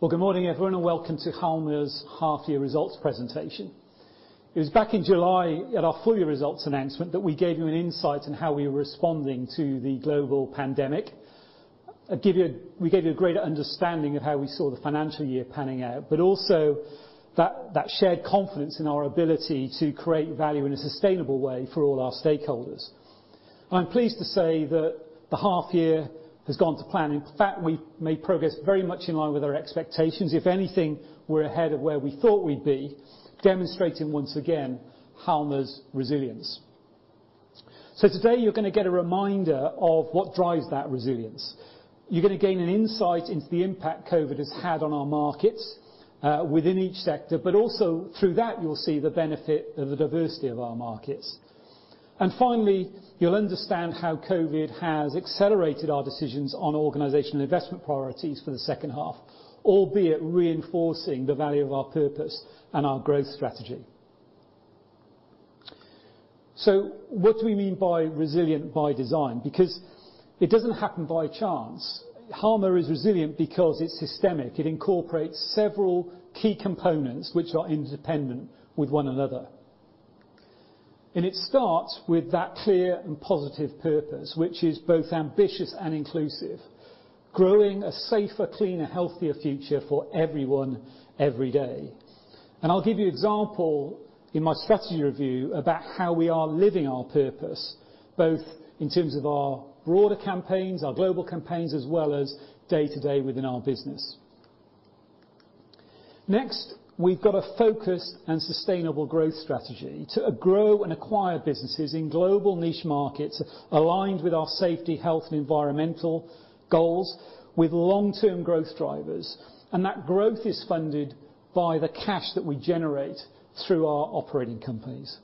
Good morning everyone and welcome to Halma's half year results presentation. It was back in July, at our full year results announcement that we gave you an insight on how we were responding to the global pandemic. We gave you a greater understanding of how we saw the financial year panning out, but also that shared confidence in our ability to create value in a sustainable way for all our stakeholders. I'm pleased to say that the half year has gone to plan. In fact, we made progress very much in line with our expectations. If anything, we're ahead of where we thought we'd be, demonstrating once again Halma's resilience, so today you're going to get a reminder of what drives that resilience. You're going to gain an insight into the impact COVID has had on our markets within each sector, but also through that you'll see the benefit of the diversity of our markets, and finally you'll understand how COVID has accelerated our decisions on organizational investment priorities for the second half, albeit reinforcing the value of our purpose and our growth strategy. What do we mean by resilient by design because it doesn't happen by chance? Halma is resilient because it's systemic. It incorporates several key components which are independent of one another. And it starts with that clear and positive purpose which is both ambitious and inclusive. Growing a safer, cleaner, healthier future for everyone every day. And I'll give you an example in my strategy review about how we are living our purpose, both in terms of our broader campaigns, our global campaigns, as well as day to day within our business. Next, we've got a focused and sustainable growth strategy to grow and acquire businesses in global niche markets aligned with our safety, health and environmental goals, with long term growth drivers. And that growth is funded by the cash that we generate through our operating companies.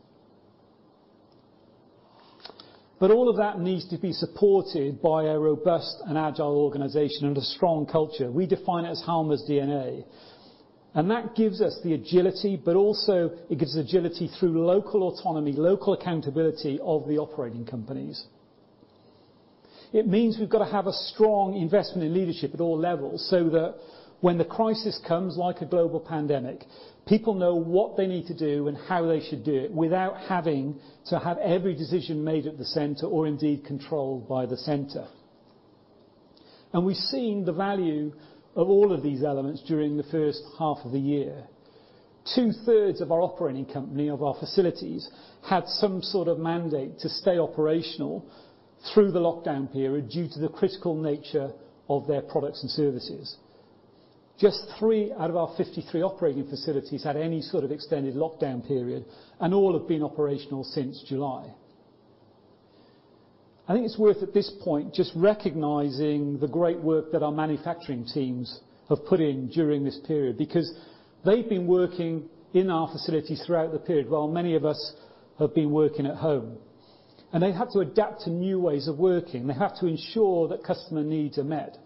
But all of that needs to be supported by a robust and agile organization and a strong culture. We define it as Halma's DNA and that gives us the agility, but also it gives agility through local autonomy, local accountability of the operating companies. It means we've got to have a strong investment in leadership at all levels, so that when the crisis comes, like a global pandemic, people know what they need to do and how they should do it without having to have every decision made at the center, or indeed controlled by the center. We've seen the value of all of these elements. During the first half of the year, two thirds of our operating company, of our facilities, had some sort of mandate to stay operational through the lockdown period due to the critical nature of their products and services. Just three out of our 53 operating facilities had any sort of extended lockdown period and all have been operational since July. I think it's worth at this point just recognizing the great work that our manufacturing teams have put in during this period, because they've been working in our facilities throughout the period while many of us have been working at home. And they have to adapt to new ways of working. They have to ensure that customer needs are met.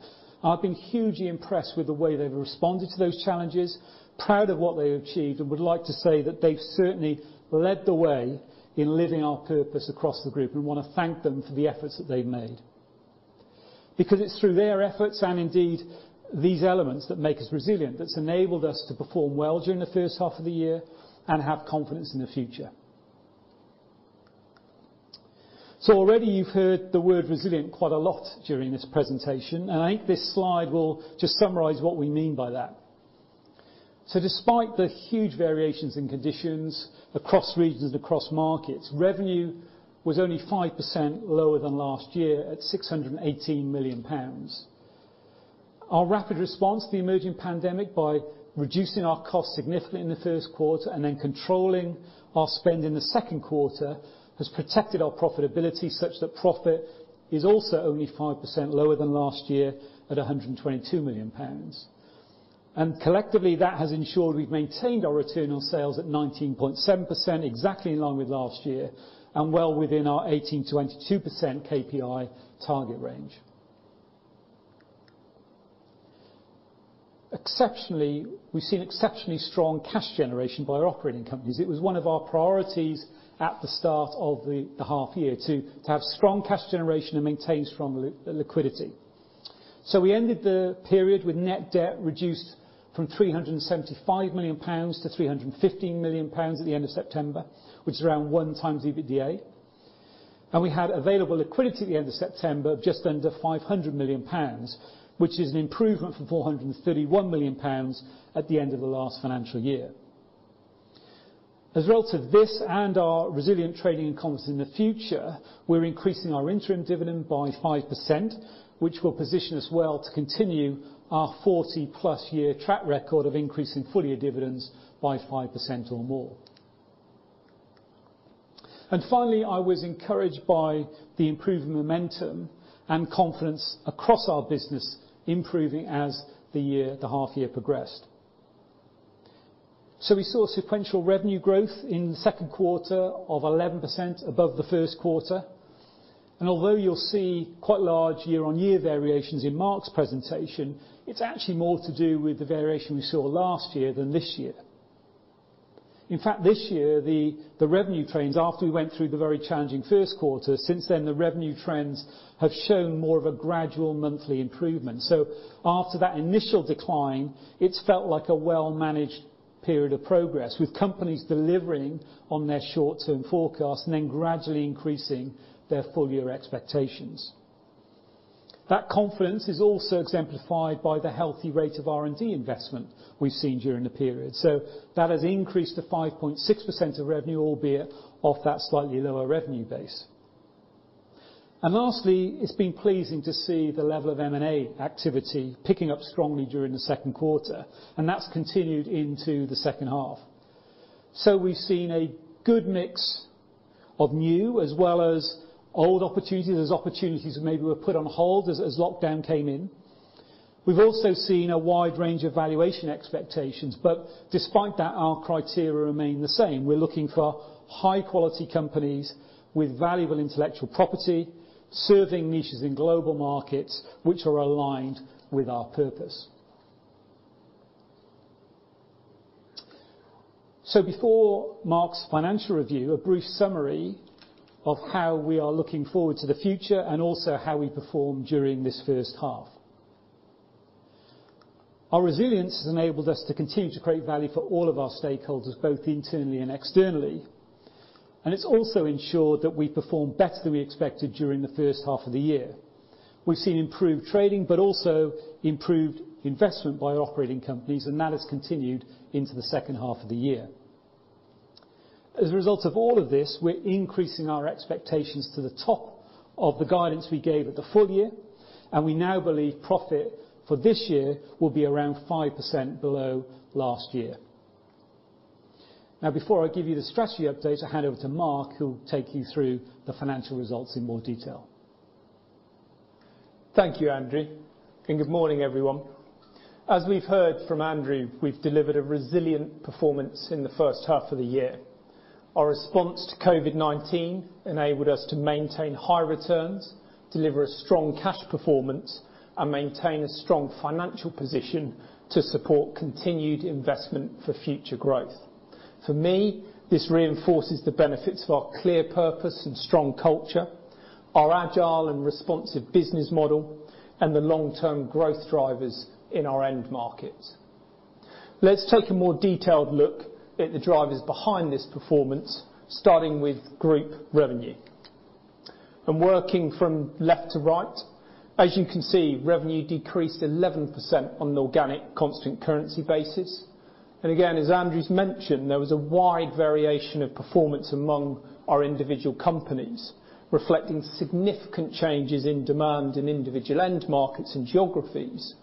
I've been hugely impressed with the way they've responded to those challenges, proud of what they achieved, and would like to say that they've certainly led the way in living our purpose across the group and want to thank them for the efforts that they've made because it's through their efforts and indeed these elements that make us resilient, that's enabled us to perform well during the first half of the year and have confidence in the future. So already you've heard the word resilient quite a lot during this presentation and I think this slide will just summarize what we mean by that. Despite the huge variations in conditions across regions, across markets, revenue was only 5% lower than last year at 618 million pounds. Our rapid response to the emerging pandemic by reducing our costs significantly in the first quarter and then controlling our spend in the second quarter has protected our profitability such that profit is also only 5% lower than last year at 122 million pounds. And collectively that has ensured we've maintained our return on sales at 19.7%, exactly in line with last year and well within our 18-22% KPI target range. Exceptionally, we've seen exceptionally strong cash generation by our operating companies. It was one of our priorities at the start of the half year to have strong cash generation and maintain strong liquidity, so we ended the period with net debt reduced from 375 million pounds to 315 million pounds at the end of September, which is around one times EBITDA. And we had available liquidity at the end of September just under 500 million pounds, which is an improvement from 431 million pounds at the end of the last financial year. As a result of this and our resilient trading and confidence in the future, we're increasing our interim dividend by 5%, which will position us well to continue our 40 plus year track record of increasing full year dividends by 5% or more. And finally, I was encouraged by the improved momentum and confidence across our business improving as the half year progressed. We saw sequential revenue growth in the second quarter of 11% above the first quarter. Although you'll see quite large year-on-year variations in Mark's presentation, it's actually more to do with the variation we saw last year than this year. In fact, this year the revenue trends after we went through the very challenging first quarter, since then the revenue trends have shown more of a gradual monthly improvement. After that initial decline, it's felt like a well managed period of progress with companies delivering on their short term forecast and then gradually increasing their full year expectations. That confidence is also exemplified by the healthy rate of R&D investment we've seen during the period. That has increased to 5.6% of revenue, albeit off that slightly lower revenue base. Lastly, it's been pleasing to see the level of M&A activity picking up strongly during the second quarter and that's continued into the second half. We've seen a good mix of new as well as old opportunities as opportunities maybe were put on hold as lockdown came in. We've also seen a wide range of valuation expectations, but despite that, our criteria remain the same. We're looking for high quality companies with valuable intellectual property serving niches in global markets which are aligned with our purpose. So, before Mark's financial review, a brief summary of how we are looking forward to the future and also how we perform during this first half. Our resilience has enabled us to continue to create value for all of our stakeholders, both internally and externally, and it's also ensured that we performed better than we expected during the first half of the year. We've seen improved trading but also improved investment by operating companies and that has continued into the second half of the year. As a result of all of this, we're increasing our expectations to the top of the guidance we gave at the full year and we now believe profit for this year will be around 5% below last year. Now, before I give you the strategy update, I hand over to Marc who'll take you through the financial results in more detail. Thank you Andrew and good morning everyone. As we've heard from Andrew, we've delivered a resilient performance in the first half of the year. Our response to COVID-19 enabled us to maintain high returns, deliver a strong cash performance and maintain a strong financial position to support continued investment for future growth. For me, this reinforces the benefits of our clear purpose and strong culture, our agile and responsive business model and the long-term growth drivers in our end markets. Let's take a more detailed look at the drivers behind this performance, starting with group revenue and working from left to right. As you can see, revenue decreased 11% on an organic constant currency basis. And again, as Andrew's mentioned, there was a wide variation of performance among our individual companies reflecting significant changes in demand in individual end markets and geographies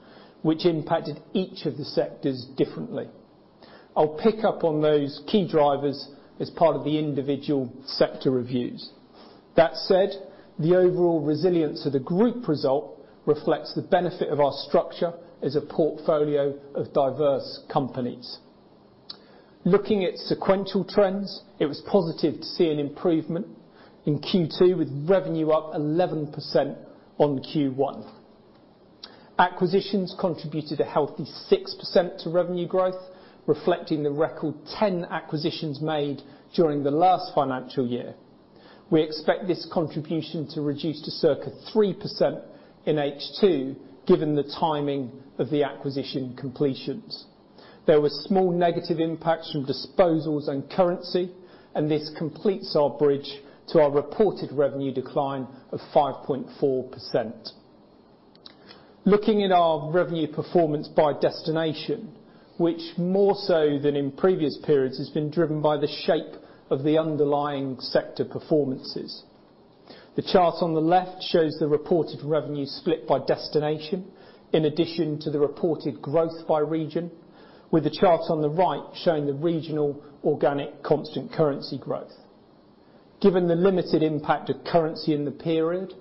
which impacted each of the sectors differently. I'll pick up on those key drivers as part of the individual sector reviews. That said, the overall resilience of the group result reflects the benefit of our structure as a portfolio of diverse companies. Looking at sequential trends, it was positive to see an improvement in Q2 with revenue up 11% on Q1, acquisitions contributed a healthy 6% to revenue growth, reflecting the record 10 acquisitions made during the last financial year. We expect this contribution to reduce to circa 3% in H2 given the timing of the acquisition completions. There were small negative impacts from disposals and currency, and this completes our bridge to our reported revenue decline of 5.4%. Looking at our revenue performance by destination, which more so than in previous periods, has been driven by the shape of the underlying sector performances. The chart on the left shows the reported revenue split by destination in addition to the reported growth by region, with the chart on the right showing the regional organic constant currency growth. Given the limited impact of currency in the period,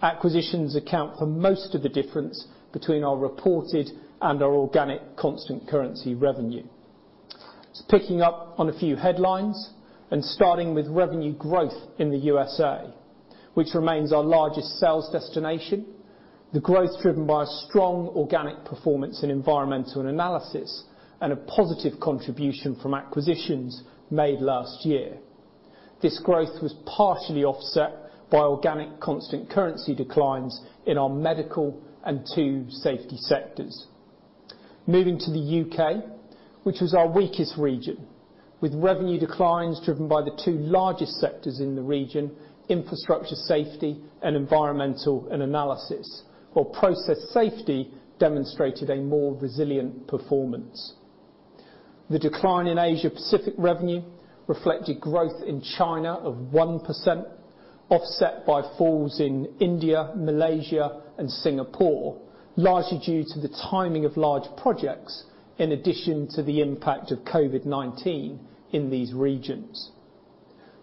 acquisitions account for most of the difference between our reported and our organic constant currency revenue. Picking up on a few headlines and starting with revenue growth in the USA, which remains our largest sales destination, the growth driven by a strong organic performance in Environmental and Analysis and a positive contribution from acquisitions made last year. This growth was partially offset by organic constant currency declines in our Medical and two Safety sectors. Moving to the U.K., which was our weakest region, with revenue declines driven by the two largest sectors in the region, Infrastructure Safety and Environmental and Analysis. While Process Safety demonstrated a more resilient performance. The decline in Asia Pacific revenue reflected growth in China of 1% offset by falls in India, Malaysia and Singapore largely due to the timing of large projects. In addition to the impact of COVID-19 in these regions,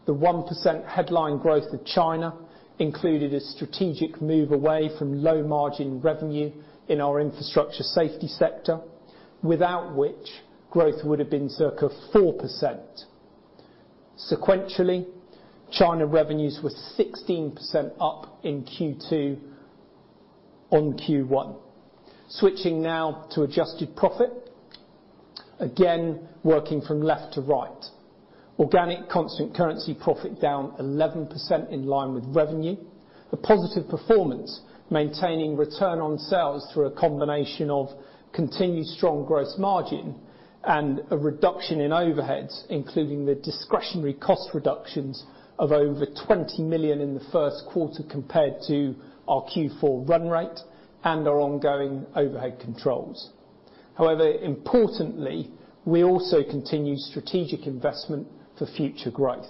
the 1% headline growth of China included a strategic move away from low margin revenue in our infrastructure safety sector, without which growth would have been circa 4% sequentially. China revenues were 16% up in Q2 on Q1. Switching now to adjusted profit again working from left to right, organic constant-currency profit down 11% in line with revenue, a positive performance maintaining return on sales through a combination of continued strong gross margin and a reduction in overheads, including the discretionary cost reductions of over 20 million in the first quarter compared to our Q4 run rate and our ongoing overhead controls. However, importantly, we also continue strategic investment for future growth.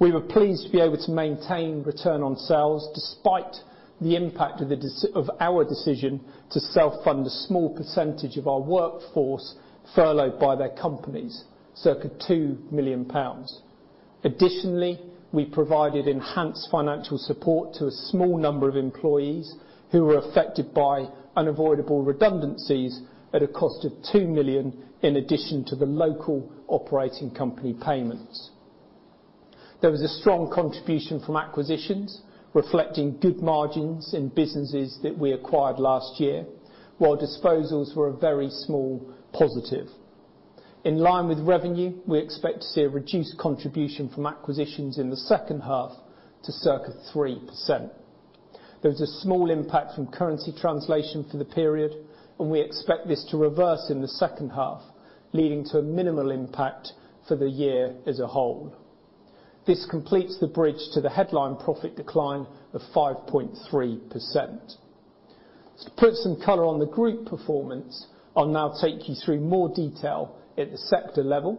We were pleased to be able to maintain return on sales despite the impact of our decision to self fund a small percentage of our workforce furloughed by their companies circa 2,000,000 pounds. Additionally, we provided enhanced financial support to a small number of employees who were affected by unavoidable redundancies at a cost of 2 million. In addition to the local operating company payments. There was a strong contribution from acquisitions reflecting good margins in businesses that we acquired last year. While disposals were a very small positive in line with revenue. We expect to see a reduced contribution from acquisitions in the second half to circa 3%. There was a small impact from currency translation for the period and we expect this to reverse in the second half leading to a minimal impact for the year as a whole. This completes the bridge to the headline profit decline of 5.3%. To put some color on the group performance, I'll now take you through more detail at the sector level.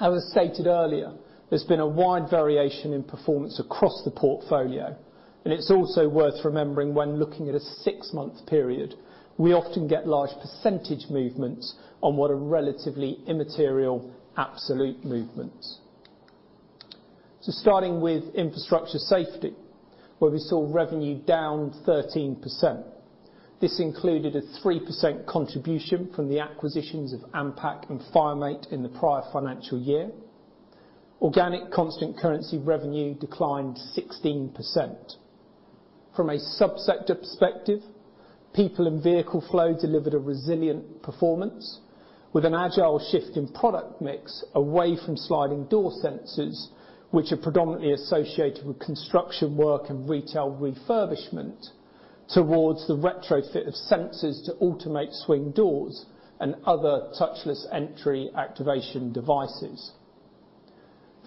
As stated earlier, there's been a wide variation in performance across the portfolio and it's also worth remembering when looking at a six-month period we often get large percentage movements on what are relatively immaterial absolute movements. Starting with infrastructure safety where we saw revenue down 13%, this included a 3% contribution from the acquisitions of Ampac and FireMate in the prior financial year, organic constant currency revenue declined 16%. From a subsector perspective, people and vehicle flow delivered a resilient performance with an agile shift in product mix away from sliding door sensors which are predominantly associated with construction work and retail refurbishment, towards the retrofit of sensors to automate swing doors. Other touchless entry activation devices.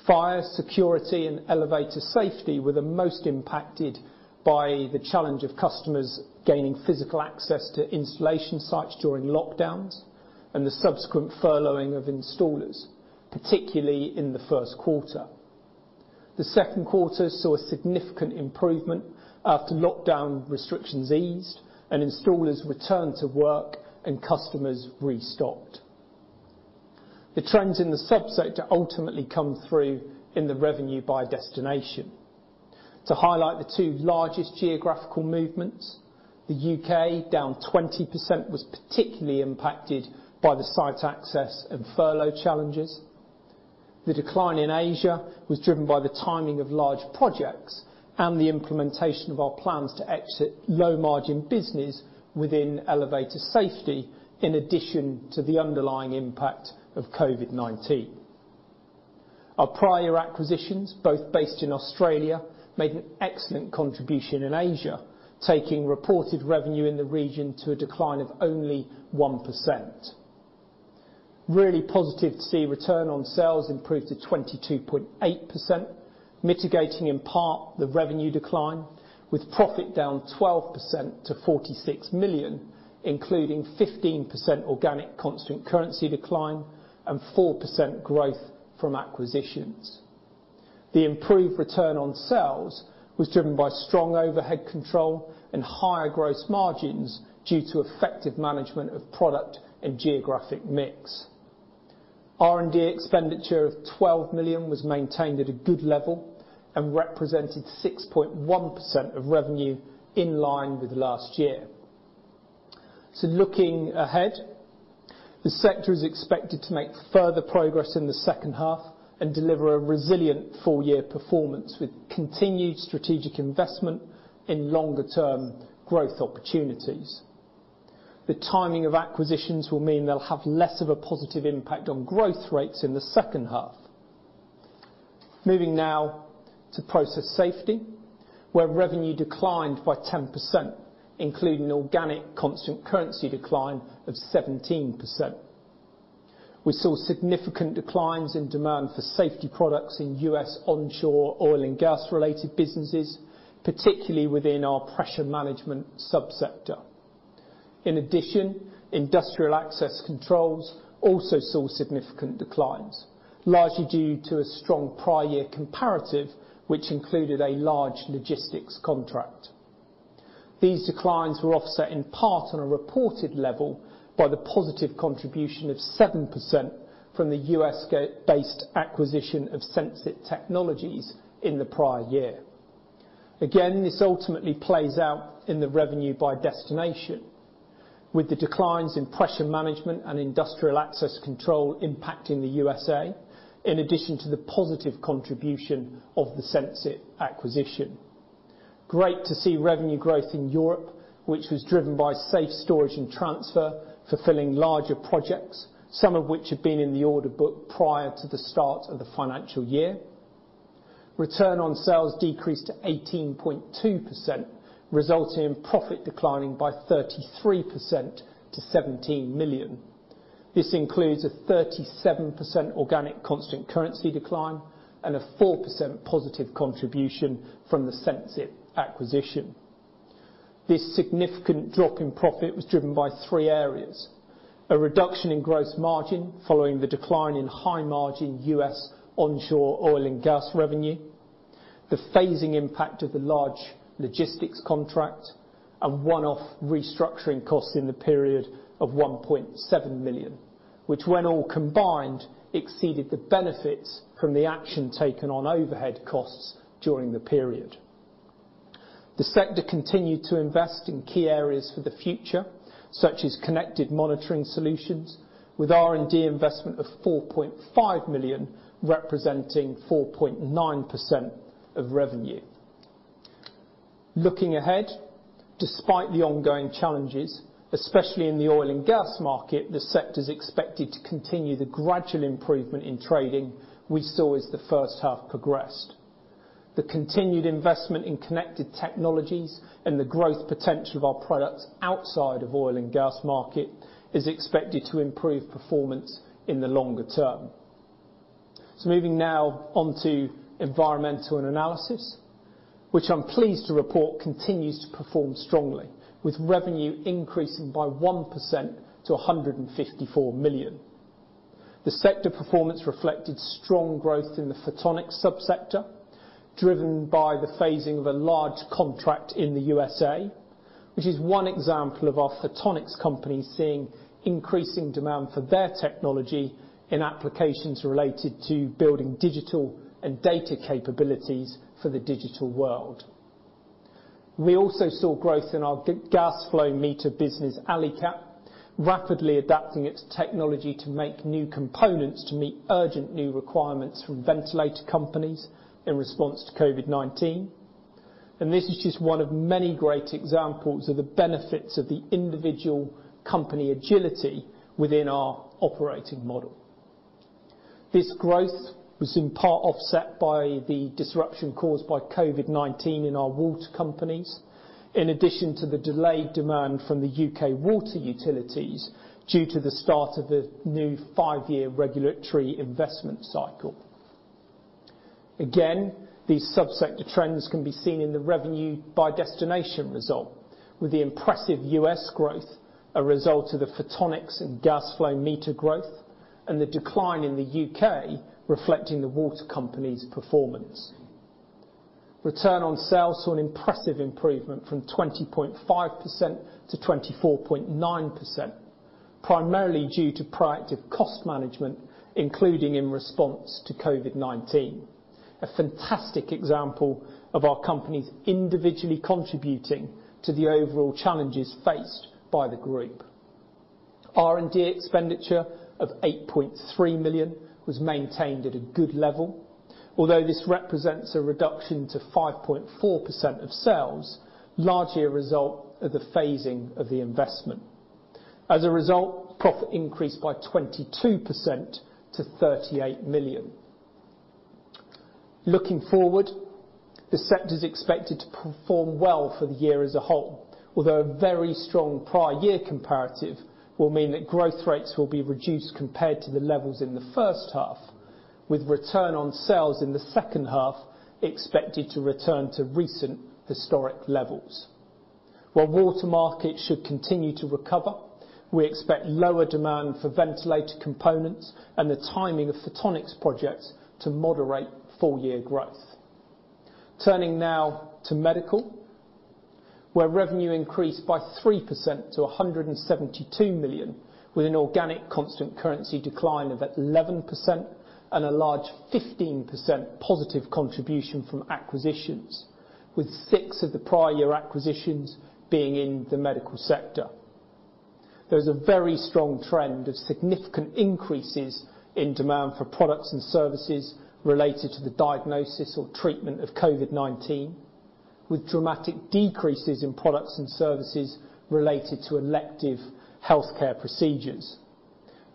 Fire security and elevator safety were the most impacted by the challenge of customers gaining physical access to installation sites during lockdowns and the subsequent furloughing of installers, particularly in the first quarter. The second quarter saw a significant improvement after lockdown restrictions eased and installers returned to work and customers restocked. The trends in the subsector ultimately come through in the revenue by destination to highlight the two largest geographical movements. The U.K. down 20% was particularly impacted by the site access and furlough challenges. The decline in Asia was driven by the timing of large projects and the implementation of our plans to exit low margin business within elevator safety. In addition to the underlying impact of COVID-19. Our prior year acquisitions, both based in Australia, made an excellent contribution in Asia, taking reported revenue in the region to a decline of only 1%. Really positive to see return on sales improve to 22.88%, mitigating in part the revenue decline with profit down 12% to 46 million, including 15% organic constant currency decline and 4% growth from acquisitions. The improved return on sales was driven by strong overhead control and higher gross margins due to effective management of product and geographic mix. R&D expenditure of 12 million was maintained at a good level and represented 6.1% of revenue in line with last year. So, looking ahead, the sector is expected to make further progress in the second half and deliver a resilient full year performance with continued strategic investment in longer term growth opportunities. The timing of acquisitions will mean they'll have less of a positive impact on growth rates in the second half. Moving now to process safety where revenue declined by 10% including organic constant currency decline of 17%, we saw significant declines in demand for safety products in U.S. onshore oil and gas related businesses, particularly within our pressure management subsector. In addition, industrial access controls also saw significant declines largely due to a strong prior year comparative which included a large logistics contract. These declines were offset in part on a reported level by the positive contribution of 7% from the U.S.-based acquisition of Sensit Technologies in the prior year. Again, this ultimately plays out in the revenue by destination with the declines in pressure management and industrial access control impacting the USA in addition to the positive contribution of the Sensit acquisition. Great to see revenue growth in Europe which was driven by safe storage and transfer fulfilling larger projects, some of which have been in the order book. Prior to the start of the financial year, return on sales decreased to 18.2% resulting in profit declining by 33% to 17 million. This includes a 37% organic constant currency decline and a 4% positive contribution from the Sensit acquisition. This significant drop in profit was driven by three areas, a reduction in gross margin following the decline in high margin U.S. onshore oil and gas revenue, the phasing impact of the large logistics contract and one-off restructuring costs in the period of 1.7 million which when all combined exceeded the benefits from the action taken on overhead costs. During the period, the sector continued to invest in key areas for the future such as connected monitoring solutions with R&D investment of 4.5 million representing 4.9% of revenue. Looking ahead, despite the ongoing challenges, especially in the oil and gas market, the sector is expected to continue the gradual improvement in trading we saw as the first half progressed. The continued investment in connected technologies and the growth potential of our products outside of oil and gas market is expected to improve performance in the longer term. So moving now onto environmental and analysis which I'm pleased to report continues to perform strongly with revenue increasing by 1% to 154 million. The sector performance reflected strong growth in the photonics subsector driven by the phasing of a large contract in the USA which is one example of our photonics company seeing increasing demand for their technology in applications related to building digital and data capabilities for the digital world. We also saw growth in our gas flow meter business, Alicat rapidly adapting its technology to make new components to meet their urgent new requirements from ventilator companies in response to COVID-19 and this is just one of many great examples of the benefits of the individual company agility within our operating model. This growth was in part offset by the disruption caused by COVID-19 in our water companies in addition to the delayed demand from the U.K. water utility due to the start of a new five-year regulatory investment cycle. Again, these subsector trends can be seen in the revenue by destination result with the impressive U.S. growth a result of the Photonics and gas flow meter growth and the decline in the U.K. reflecting the water company's performance. Return on sales saw an impressive improvement from 20.5% to 24.9% primarily due to proactive cost management including in response to COVID-19, a fantastic example of our companies individually contributing to the overall challenges faced by the group's R&D. Expenditure of 8.3 million was maintained at a good level, although this represents a reduction to 5.54% of sales, largely a result of the phasing of the investment. As a result, profit increased by 22% to 38 million. Looking forward, the sector is expected to perform well for the year as a whole, although a very strong prior year comparative will mean that growth rates will be reduced compared to the levels in the first half, with return on sales in the second half expected to return to recent historic levels. While water market should continue to recover, we expect lower demand for ventilator components and the timing of photonics projects to moderate full year growth. Turning now to medical where revenue increased by 3% to 172 million with an organic constant currency decline of 11% and a large 15% positive contribution from acquisitions with six of the prior year acquisitions being in the medical sector. There's a very strong trend of significant increases in demand for products and services related to the diagnosis or treatment of COVID-19 with dramatic decreases in products and services related to elective health care procedures.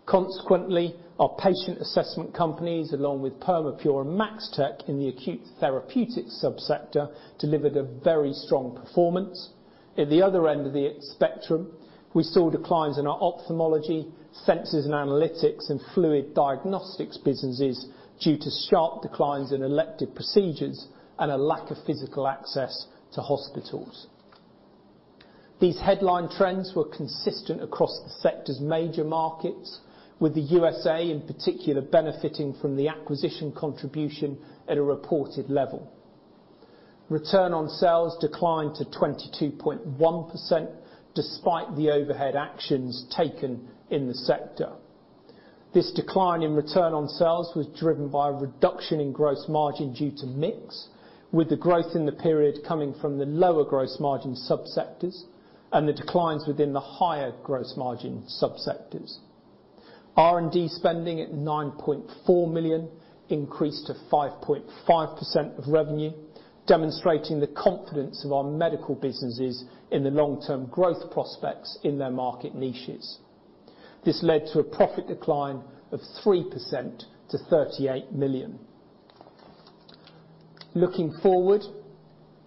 Consequently, our patient assessment companies along with Perma pure and Maxtec in the acute therapeutics subsector delivered a very strong performance. At the other end of the spectrum we saw declines in our ophthalmology, sensors and analytics and fluid diagnostics businesses due to sharp declines in elective procedures and a lack of physical access to hospitals. These headline trends were consistent across the sector's major markets with the USA in particular benefiting from the acquisition contribution. At a reported level, return on sales declined to 22.1% despite the overhead actions taken in the sector. This decline in return on sales was driven by a reduction in gross margin due to mix with the growth in the period coming from the lower gross margin subsectors and the declines within the higher gross margin subsectors. R&D spending at 9.4 million increased to 5.5% of revenue, demonstrating the confidence of our medical businesses in the long term growth prospects in their market niches. This led to a profit decline of 3% to 38 million. Looking forward,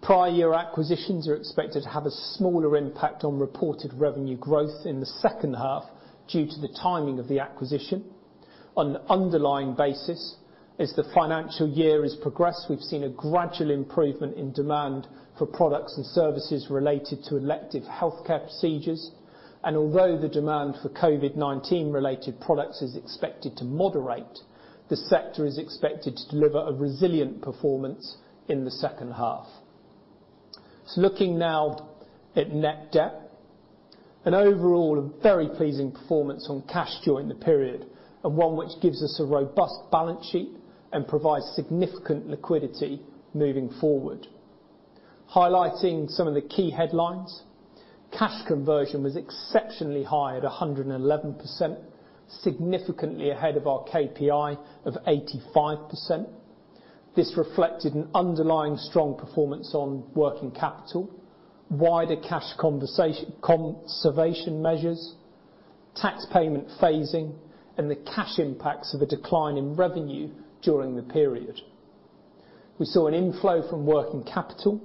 prior year acquisitions are expected to have a smaller impact on reported revenue growth in the second half due to the timing of the acquisition. On an underlying basis, as the financial year has progressed we've seen a gradual improvement in demand for products and services related to elective healthcare procedures and although the demand for COVID-19 related products is expected to moderate, the sector is expected to deliver a resilient performance in the second half, so looking now at net debt and overall a very pleasing performance on cash during the period and one which gives us a robust balance sheet and provides significant liquidity moving forward. Highlighting some of the key headlines, cash conversion was exceptionally high at 111%, significantly ahead of our KPI of 85%. This reflected an underlying strong performance on working capital, wider cash conservation measures, tax payment phasing and the cash impacts of a decline in revenue during the period. We saw an inflow from working capital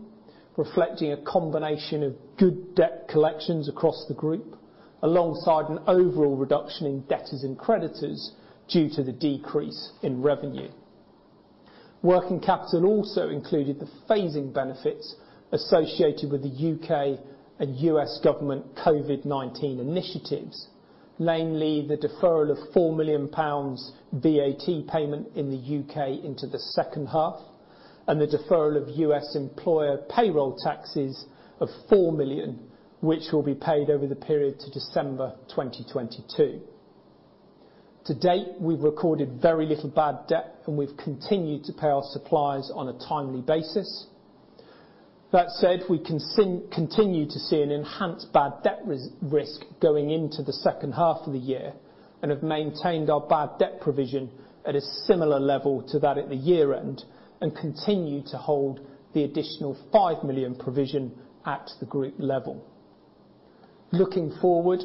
reflecting a combination of good debt collections across the group alongside an overall reduction in debtors and creditors due to the decrease in revenue. Working capital also included the phasing benefits associated with the U.K. and U.S. government COVID-19 initiatives, namely the deferral of 4 million pounds VAT payment in the U.K. into the second half and the deferral of U.S. employer payroll taxes of $4 million which will be paid over the period to December 2022. To date we've recorded very little bad debt and we've continued to pay our suppliers on a timely basis. That said, we continue to see an enhanced bad debt risk going into the second half of the year and have maintained our bad debt provision at a similar level to that at the year end and continue to hold the additional 5 million provision at the group level. Looking forward,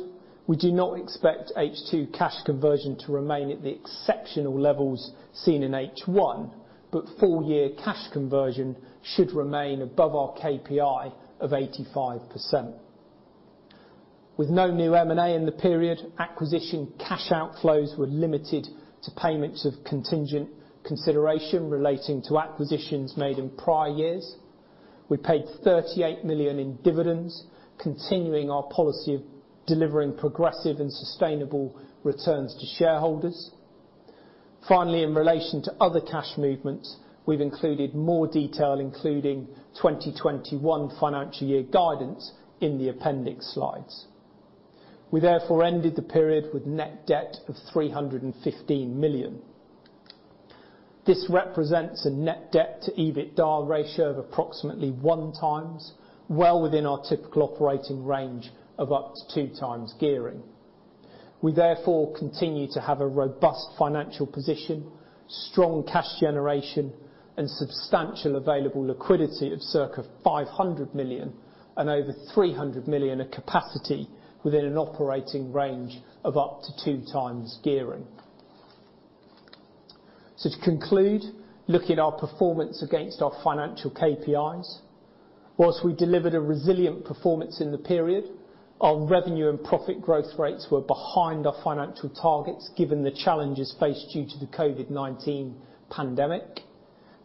we do not expect H2 cash conversion to remain at the exceptional levels seen in H1, but full year cash conversion should remain above our KPI of 85%. With no new M&A in the period. Acquisition cash outflows were limited to payments of contingent consideration relating to acquisitions made in prior years. We paid 38 million in dividends, continuing our policy of delivering progressive and sustainable returns to shareholders. Finally, in relation to other cash movements, we've included more detail including 2021 financial year guidance in the appendix slides. We therefore ended the period with net debt of 315 million. This represents a net debt to EBITDA ratio of approximately 1x, well within our typical operating range of up to 2 times gearing. We therefore continue to have a robust financial position, strong cash generation and substantial available liquidity of circa 500 million and over 300 million of capacity within an operating range of up to 2x gearing. So to conclude, looking at our performance against our financial KPIs, while we delivered a resilient performance in the period, our revenue and profit growth rates were behind our financial targets given the challenges faced due to the COVID-19 pandemic.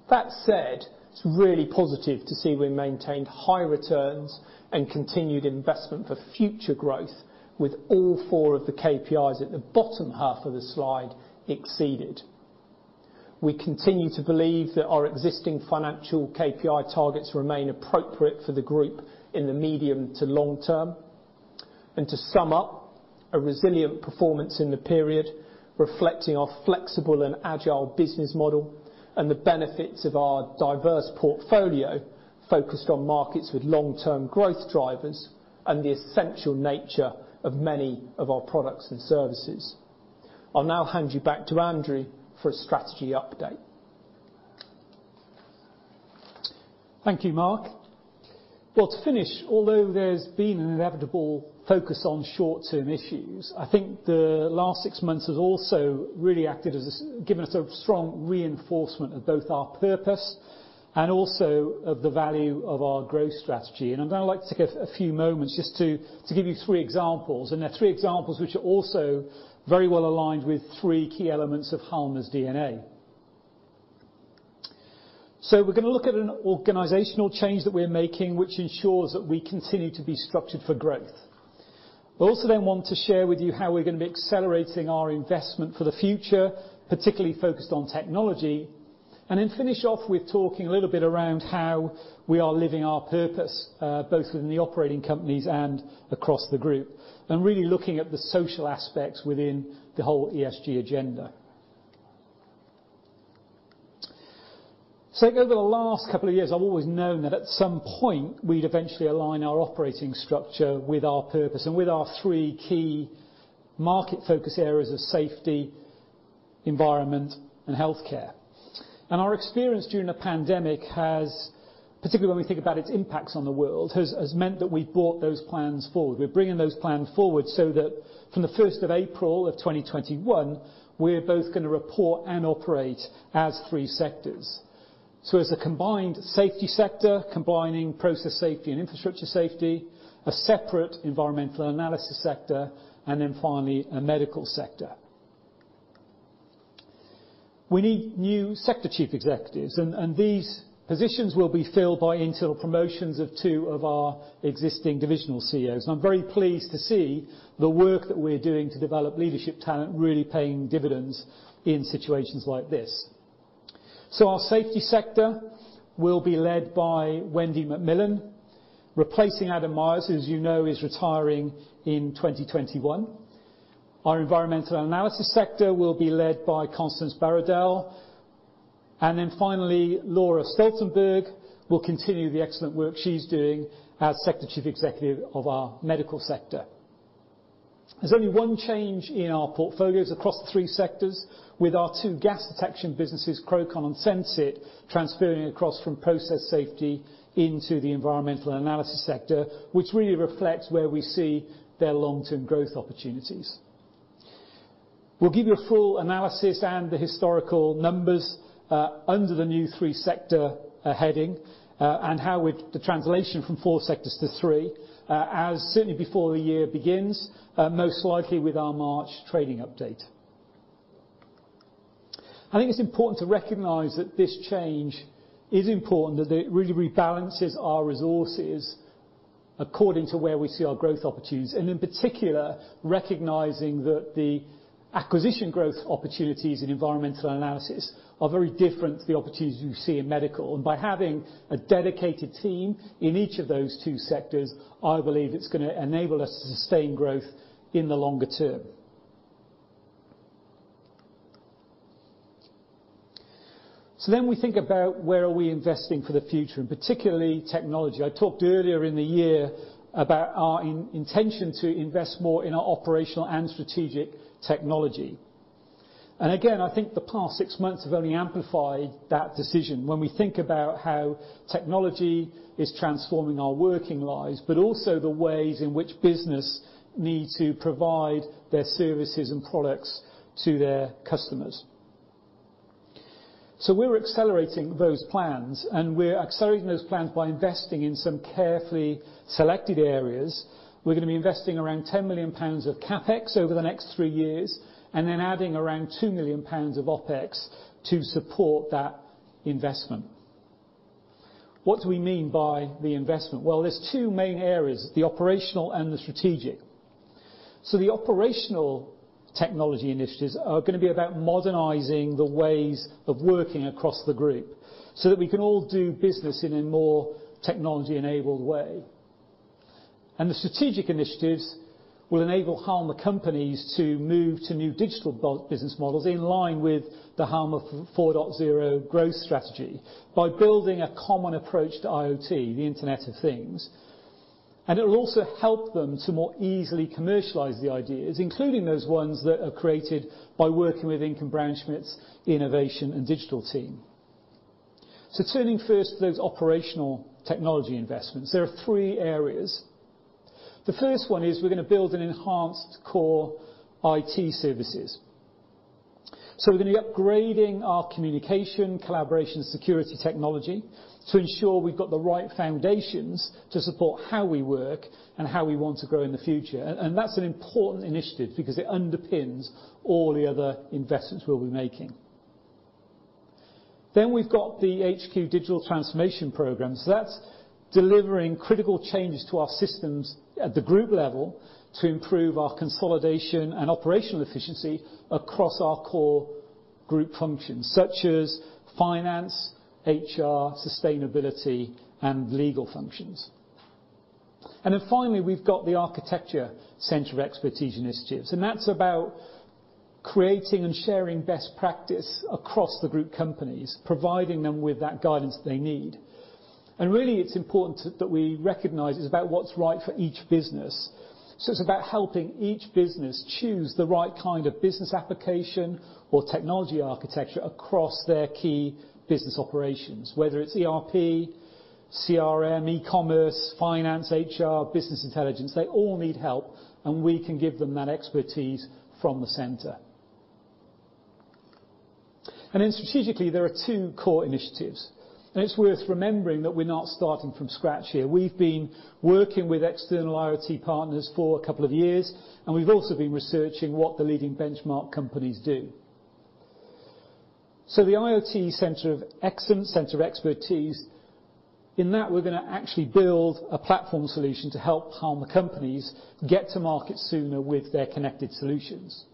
That said, it's really positive to see we maintained high returns and continued investment for future growth with all four of the KPIs at the bottom half of the slide exceeded. We continue to believe that our existing financial capital KPI targets remain appropriate for the group in the medium to long term. And to sum up, a resilient performance in the period reflecting our flexible and agile business model and the benefits of our diverse portfolio focused on markets with long term growth drivers and the essential nature of many of our products and services. I'll now hand you back to Andrew for a strategy update. Thank you, Mark. To finish, although there's been an inevitable focus on short-term issues, I think the last six months has also really given us a strong reinforcement of both our purpose and also of the value of our growth strategy, and I'm going to like to take a few moments just to give you three examples and they're three examples which are also very well aligned with three key elements of Halma's DNA. So we're going to look at an organizational change that we're making which ensures that we continue to be structured for growth. We also then want to share with you how we're going to be accelerating our investment for the future, particularly focused on technology, and then finish off with talking a little bit around how we are living our purpose, both within the operating companies and across the group, and really looking at the social aspects within the whole ESG agenda. So over the last couple of years, I've always known that at some point we'd eventually align our operating structure with our purpose and with our three key market focus areas of safety, environment and healthcare. And our experience during the pandemic has, particularly when we think about its impacts on the world, has meant that we brought those plans forward. We're bringing those plans forward so that from the 1st of April of 2021, we're both going to report and operate as three sectors. So as a combined safety sector, combining process safety and infrastructure safety, a separate environmental analysis sector, and then finally a medical sector. We need new Sector Chief Executives. And these positions will be filled by internal promotions of two of our existing divisional CEOs. And I'm very pleased to see the work that we're doing to develop leadership talent, really paying dividends in situations like this. So our safety sector will be led by Wendy McMillan, replacing Adam Meyers, who as you know, is retiring in 2021. Our environmental analysis sector will be led by Constance Baroudel. And then finally Laura Stoltenberg will continue the excellent work she's doing as Sector Chief Executive of our medical sector. There's only one change in our portfolios across the three sectors, with our two gas detection businesses, Crowcon and Sensit, transferring across from process safety into the environmental analysis sector, which really reflects where we see their long term growth opportunities. We'll give you a full analysis and the historical numbers under the new three-sector heading and how, with the translation from four sectors to three, as certainly before the year begins, most likely with our March trading update. I think it's important to recognize that this change is important, that it really rebalances our resources according to where we see our growth opportunities. In particular recognizing that the acquisition growth opportunities in environmental analysis are very different to the opportunities you see in medical. By having a dedicated team in each of those two sectors, I believe it's going to enable us to sustain growth in the longer term. We think about where we are investing for the future and particularly technology. I talked earlier in the year about our intention to invest more in our operational and strategic technology. Again, I think the past six months have only amplified that decision when we think about how technology is transforming our working lives, but also the ways in which businesses need to provide their services and products to their customers. So we're accelerating those plans by investing in some carefully selected areas. We're going to be investing around 10 million pounds of CapEx over the next three years and then adding around 2 million pounds of OpEx to support that investment. What do we mean by the investment? Well, there's two main areas, the operational and the strategic. So the operational technology initiatives are going to be about modernizing the ways of working across the group so that we can all do business in a more technology-enabled way. And the strategic initiatives will enable Halma companies to move to new digital business models in line with the Halma 4.0 growth strategy, by building a common approach to IoT, the Internet of Things. And it will also help them to more easily commercialize the ideas, including those ones that are created by working with Inken Braunschmidt's innovation and digital team. So turning first to those operational technology investments, there are three areas. The first one is we're going to build an enhanced core IT services. So we're going to be upgrading our communication, collaboration, security technology to ensure we've got the right foundations to support how we work and how we want to grow in the future. And that's an important initiative because it underpins all the other investments we'll be making. Then we've got the HQ Digital Transformation program. So that's delivering critical changes to our systems at the group level to improve our consolidation and operational efficiency across our core group functions such as finance, HR, sustainability, and legal functions. And then finally we've got the architecture Center of Expertise initiatives. And that's about creating and sharing best practice across the group companies, providing them with that guidance they need. And really it's important that we recognize it's about what's right for each business. So it's about helping each other, each business choose the right kind of business application or technology architecture across their key business operations. Whether it's ERP, CRM, e-commerce, finance, HR, business intelligence, they all need help and we can give them that expertise from the center. Then strategically, there are two core initiatives and it's worth remembering that we're not starting from scratch here. We've been working with external IoT partners for a couple of years and we've also been researching what the leading benchmark companies do. So the IoT Center of Excellence, Center of Expertise, in that we're going to actually build a platform solution to help Halma companies get to market sooner with their connected solutions.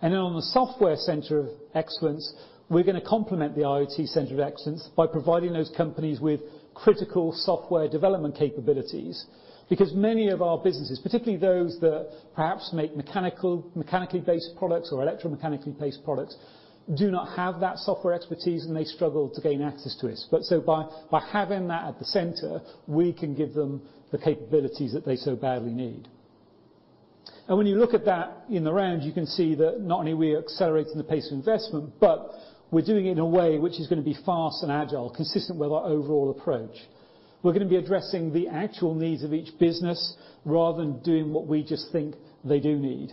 And then on the Software Center of Excellence, we're going to complement the IoT Center of Excellence by providing those companies with critical software development capabilities. Because many of our businesses, particularly those that perhaps make mechanically based products or electromechanically based products, do not have that software expertise and they struggle to gain access to it. So by having that at the center, we can give them the capabilities that they so badly need. And when you look at that in the round, you can see that not only we accelerating the pace of investment, but we're doing it in a way which is going to be fast and agile, consistent with our overall approach. We're going to be addressing the actual needs of each business rather than doing what we just think they do need.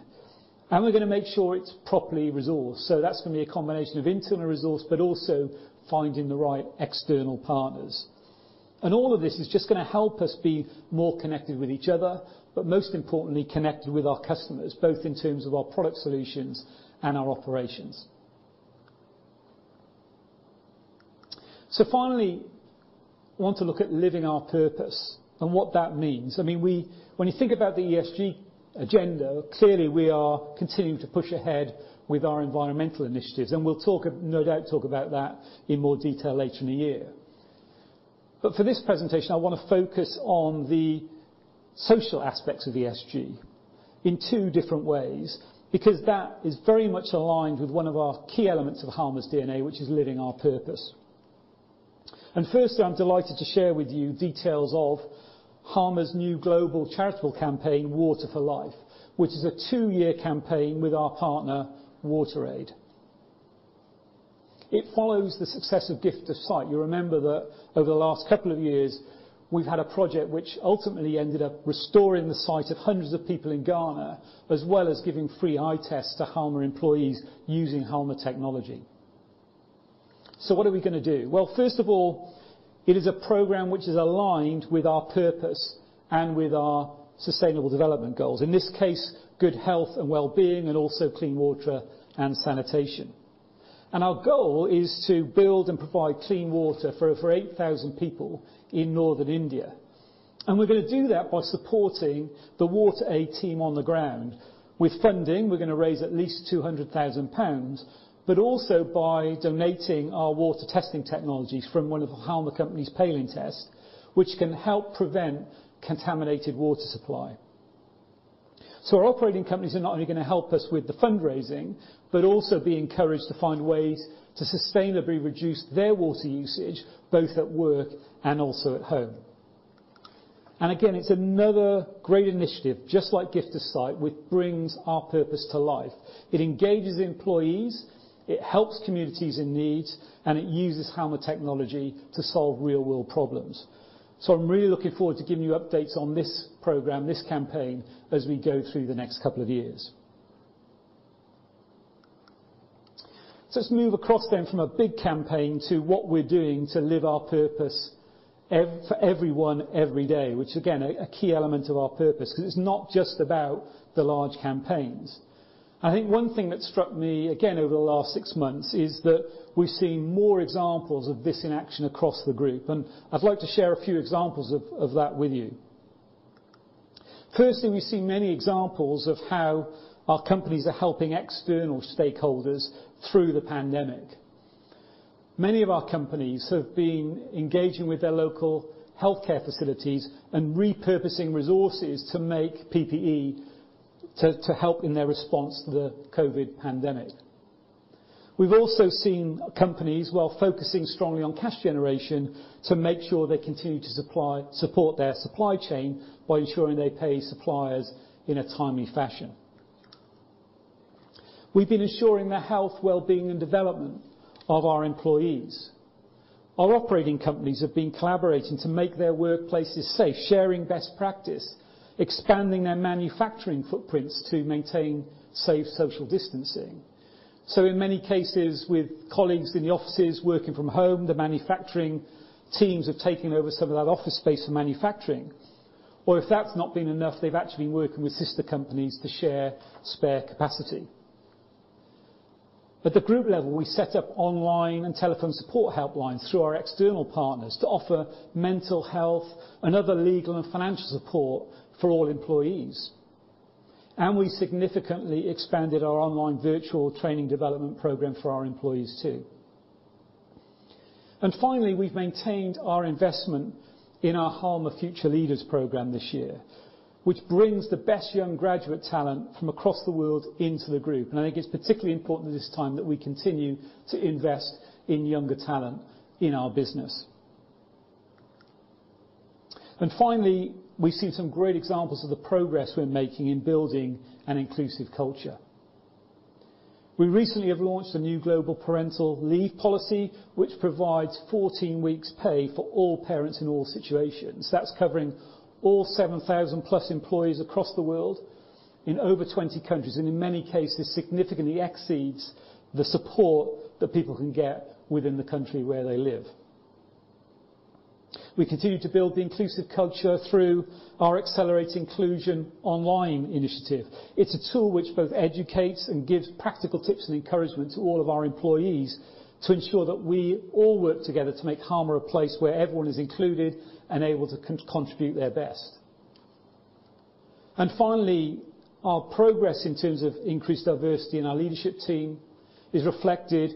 And we're going to make sure it's properly resourced. So that's going to be a combination of internal resource, but also finding the right external partners. And all of this is just going to help us be more connected with each other, but most importantly, connected with our customers, both in terms of our product solutions and our operations. So finally, I want to look at Living our purpose and what that means. I mean, when you think about the ESG agenda, clearly we are continuing to push ahead with our environmental initiatives and we'll no doubt talk about that in more detail later in the year. But for this presentation I want to focus on the social aspects of ESG in two different ways because that is very much aligned with one of our key elements of Halma's DNA, which is Living our purpose. And first, I'm delighted to share with you details of Halma's new global charitable campaign, Water for Life, which is a two year campaign with our partner WaterAid. It follows the success of Gift of Sight. You remember that over the last couple of years we've had a project which ultimately ended up restoring the sight of hundreds of people in Ghana, as well as giving free eye tests to Halma employees using Halma technology. What are we going to do? First of all, it is a program which is aligned with our purpose and with our sustainable development goals. In this case, good health and well-being and also clean water and sanitation. Our goal is to build and provide clean water for over 8,000 people in northern India. We're going to do that by supporting the WaterAid team on the ground. With funding we're going to raise at least 200,000 pounds, but also by donating our water testing technologies from one of Halma companies, Palintest, which can help prevent contaminated water supply. So our operating companies are not only going to help us with the fundraising, but also be encouraged to find ways to sustainably reduce their water usage both at work and also at home. And again, it's another great initiative, just like Gift of Sight, which brings our purpose to life. It engages employees, it helps communities in need and it uses Halma technology to solve real world problems. So, I'm really looking forward to giving you updates on this program, this campaign as we go through the next couple of years. Let's move across then from a big campaign to what we're doing to live our purpose for everyone every day, which again, a key element of our purpose because it's not just about the large campaigns. I think one thing that struck me again over the last six months is that we've seen more examples of this in action across the group and I'd like to share a few examples of that with you. Firstly, we see many examples of how our companies are helping external stakeholders through the pandemic. Many of our companies have been engaging with their local healthcare facilities and repurposing resources to make PPE to help in their response to the COVID pandemic. We've also seen companies, while focusing strongly on cash generation to make sure they continue to support their supply chain by ensuring they pay suppliers in a timely fashion. We've been ensuring the health, well-being, and development of our employees. Our operating companies have been collaborating to make their workplaces safe, sharing best practice, expanding their manufacturing footprints to maintain safe social distancing. So in many cases, with colleagues in the offices working from home, the manufacturing teams have taken over some of that office space for manufacturing. Or if that's not been enough, they've actually been working with sister companies to share spare capacity. At the group level, we set up online and telephone support helplines through our external partners to offer mental health and other legal and financial support for all employees, and we significantly expanded our online virtual training development program for our employees too. Finally, we've maintained our investment in our Halma Future Leaders program this year, which brings the best young graduate talent from across the world into the group. I think it's particularly important at this time that we continue to invest in younger talent in our business. And finally, we see some great examples of the progress we're making in building an inclusive culture. We recently have launched a new global parental leave policy which provides 14 weeks pay for all parents in all situations. That's covering all 7,000 plus employees across the world in over 20 countries. And in many cases, significantly exceeds the support that people can get within the country where they live. We continue to build the inclusive culture through our Accelerate Inclusion Online initiative. It's a tool which both educates and gives practical tips and encouragement to all of our employees to ensure that we all work together to make Halma a place where everyone is included and able to contribute their best. And finally, our progress in terms of increased diversity in our leadership team is reflected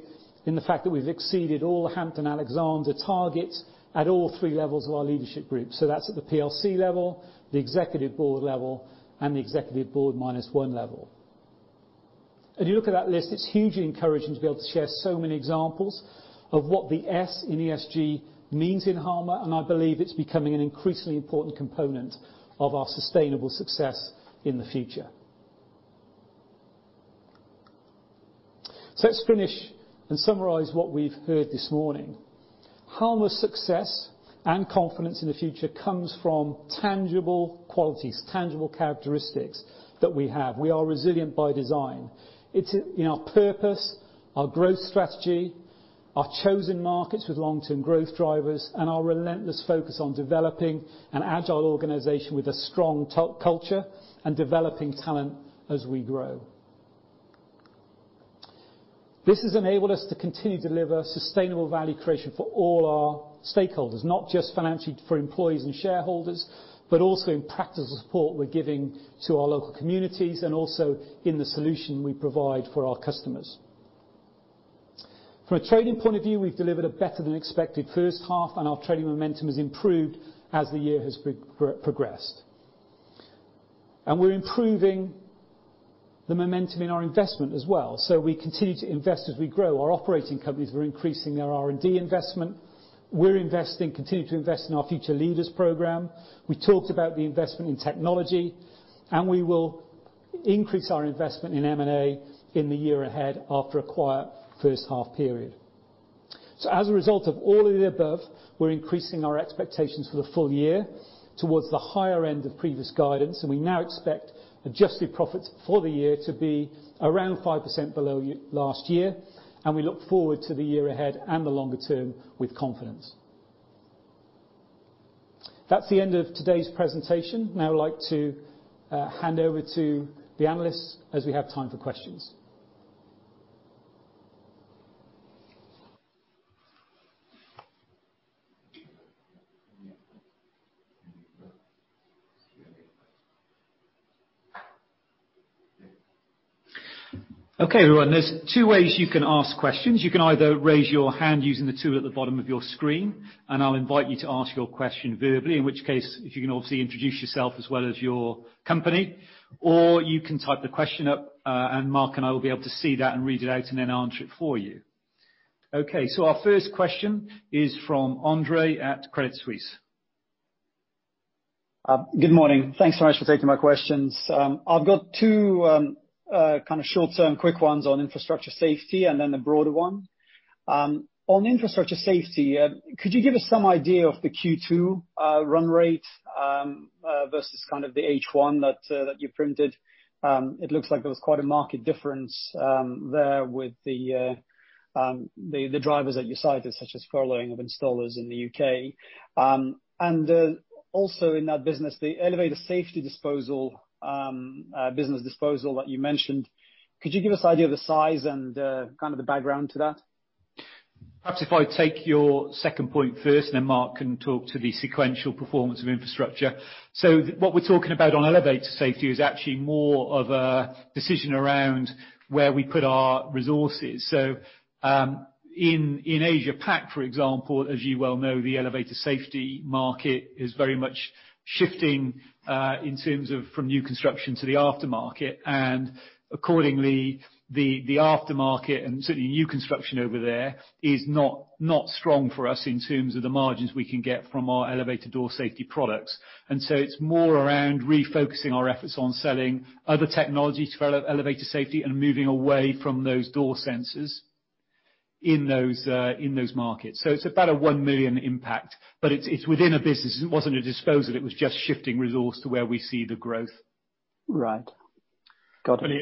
in the fact that we've exceeded all the Hampton-Alexander targets at all three levels of our leadership group. So that's at the PLC level, the Executive Board level and the Executive Board minus one level. If you look at that list, it's hugely encouraging to be able to share so many examples of what the S in ESG means in Halma. And I believe it's becoming an increasingly important component of our sustainable success in the future. So let's finish and summarize what we've heard this morning. Halma's success and confidence in the future comes from tangible qualities, tangible characteristics that we have. We are resilient by design. It's in our purpose, our growth strategy, our chosen markets with long-term growth drivers and our relentless focus on developing an agile organization with a strong culture and developing talent as we grow. This has enabled us to continue to deliver sustainable value creation for all our stakeholders. Not just financially for employees and shareholders, but also in practical support we're giving to our local communities and also in the solution we provide for our customers. From a trading point of view, we've delivered a better than expected first half and our trading momentum has improved as the year has progressed, and we're improving the momentum in our investment as well. We continue to invest as we grow. Our operating companies are increasing their R&D investment, we're continuing to invest in our Future Leaders program. We talked about the investment in technology and we will increase our investment in M&A in the year ahead after a quiet first half period. As a result of all of the above, we're increasing our expectations for the full year towards the higher end of previous guidance and we now expect adjusted profits for the year to be around 5% below last year. We look forward to the year ahead and the longer term with confidence. That's the end of today's presentation. Now I'd like to hand over to the analysts as we have time for questions. Okay, everyone, there's two ways you can ask questions. You can either raise your hand using the tool at the bottom of your screen, and I'll invite you to ask your question verbally. In which case, if you can obviously introduce yourself as well as your company. Or you can type the question up. Marc and I will be able to see that and read it out. Answer it for you. Okay, so our first question is from Andre at Credit Suisse. Good morning. Thanks so much for taking my questions. I've got two kind of short term quick ones on infrastructure safety and then the broader one on infrastructure safety. Could you give us some idea of the Q2 run rate versus kind of the H1 that you printed? It looks like there was quite a marked difference there with. The drivers that you cited, such as furloughing of installers in the U.K. and also in that business, the elevator safety disposal business that you mentioned. Could you give us idea of the size and kind of the background to that? Perhaps if I take your second point first and then Mark can talk to the sequential performance of infrastructure. So what we're talking about on elevator safety is actually more of a decision around where we put our resources. So in Asia pac, for example, as you well know, the elevator safety market is very much shifting in terms of from new construction to the aftermarket. Accordingly, the aftermarket and certainly new. Construction over there is not strong for us in terms of the margins we can get from our elevator door safety products, and so it's more around refocusing our efforts on selling other technologies for elevator safety and moving away from those door sensors. In those markets. So it's about a 1 million impact. But it's within a business. It wasn't a disposal, it was just. Shifting resource to where we see the growth. Right, got it.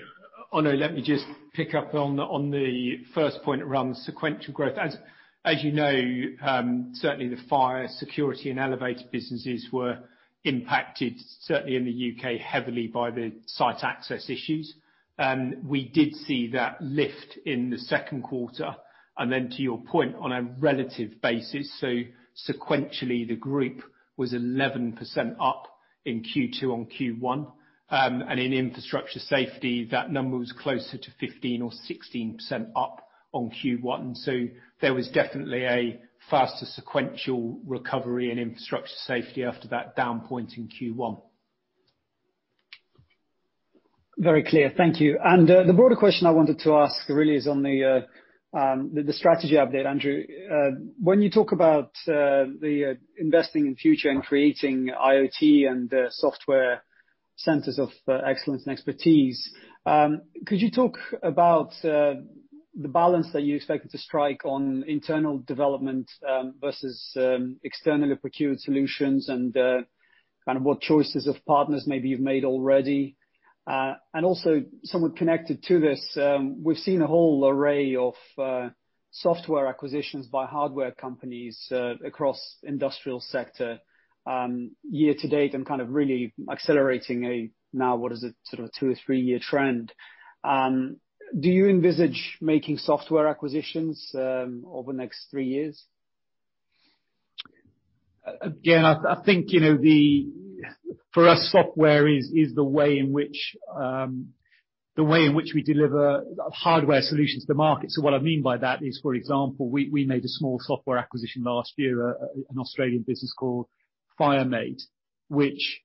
Let me just pick up on the first point around sequential growth. As you know, certainly the fire security and elevator businesses were impacted certainly in. The UK heavily by the site access issues. We did see that lift in the second quarter and then, to your point, on a relative basis, so sequentially the group was 11% up in Q2 on Q1, and in infrastructure safety, that number was closer to 15 or 16% up on Q1, so there was definitely a faster sequential recovery in infrastructure safety after that down point in Q1. Very clear, thank you. The broader question I wanted to ask really is on the strategy update, Andrew, when you talk about investing in future and creating IoT and software centers of excellence and expertise. Could you talk about the balance that you expected to strike on internal development versus externally procured solutions and kind of what choices of partners maybe you've made already? Also somewhat connected to this, we've seen a whole array of software acquisitions by hardware companies across industrial sector. Year to date and kind of really. Accelerating a sort of two or three-year trend. Do you envisage making software acquisitions over the next three years? Again, I think, you know, for us software is. The way in which we deliver hardware solutions to market. So what I mean by that is, for example, we made a small software acquisition last year, an Australian business called FireMate which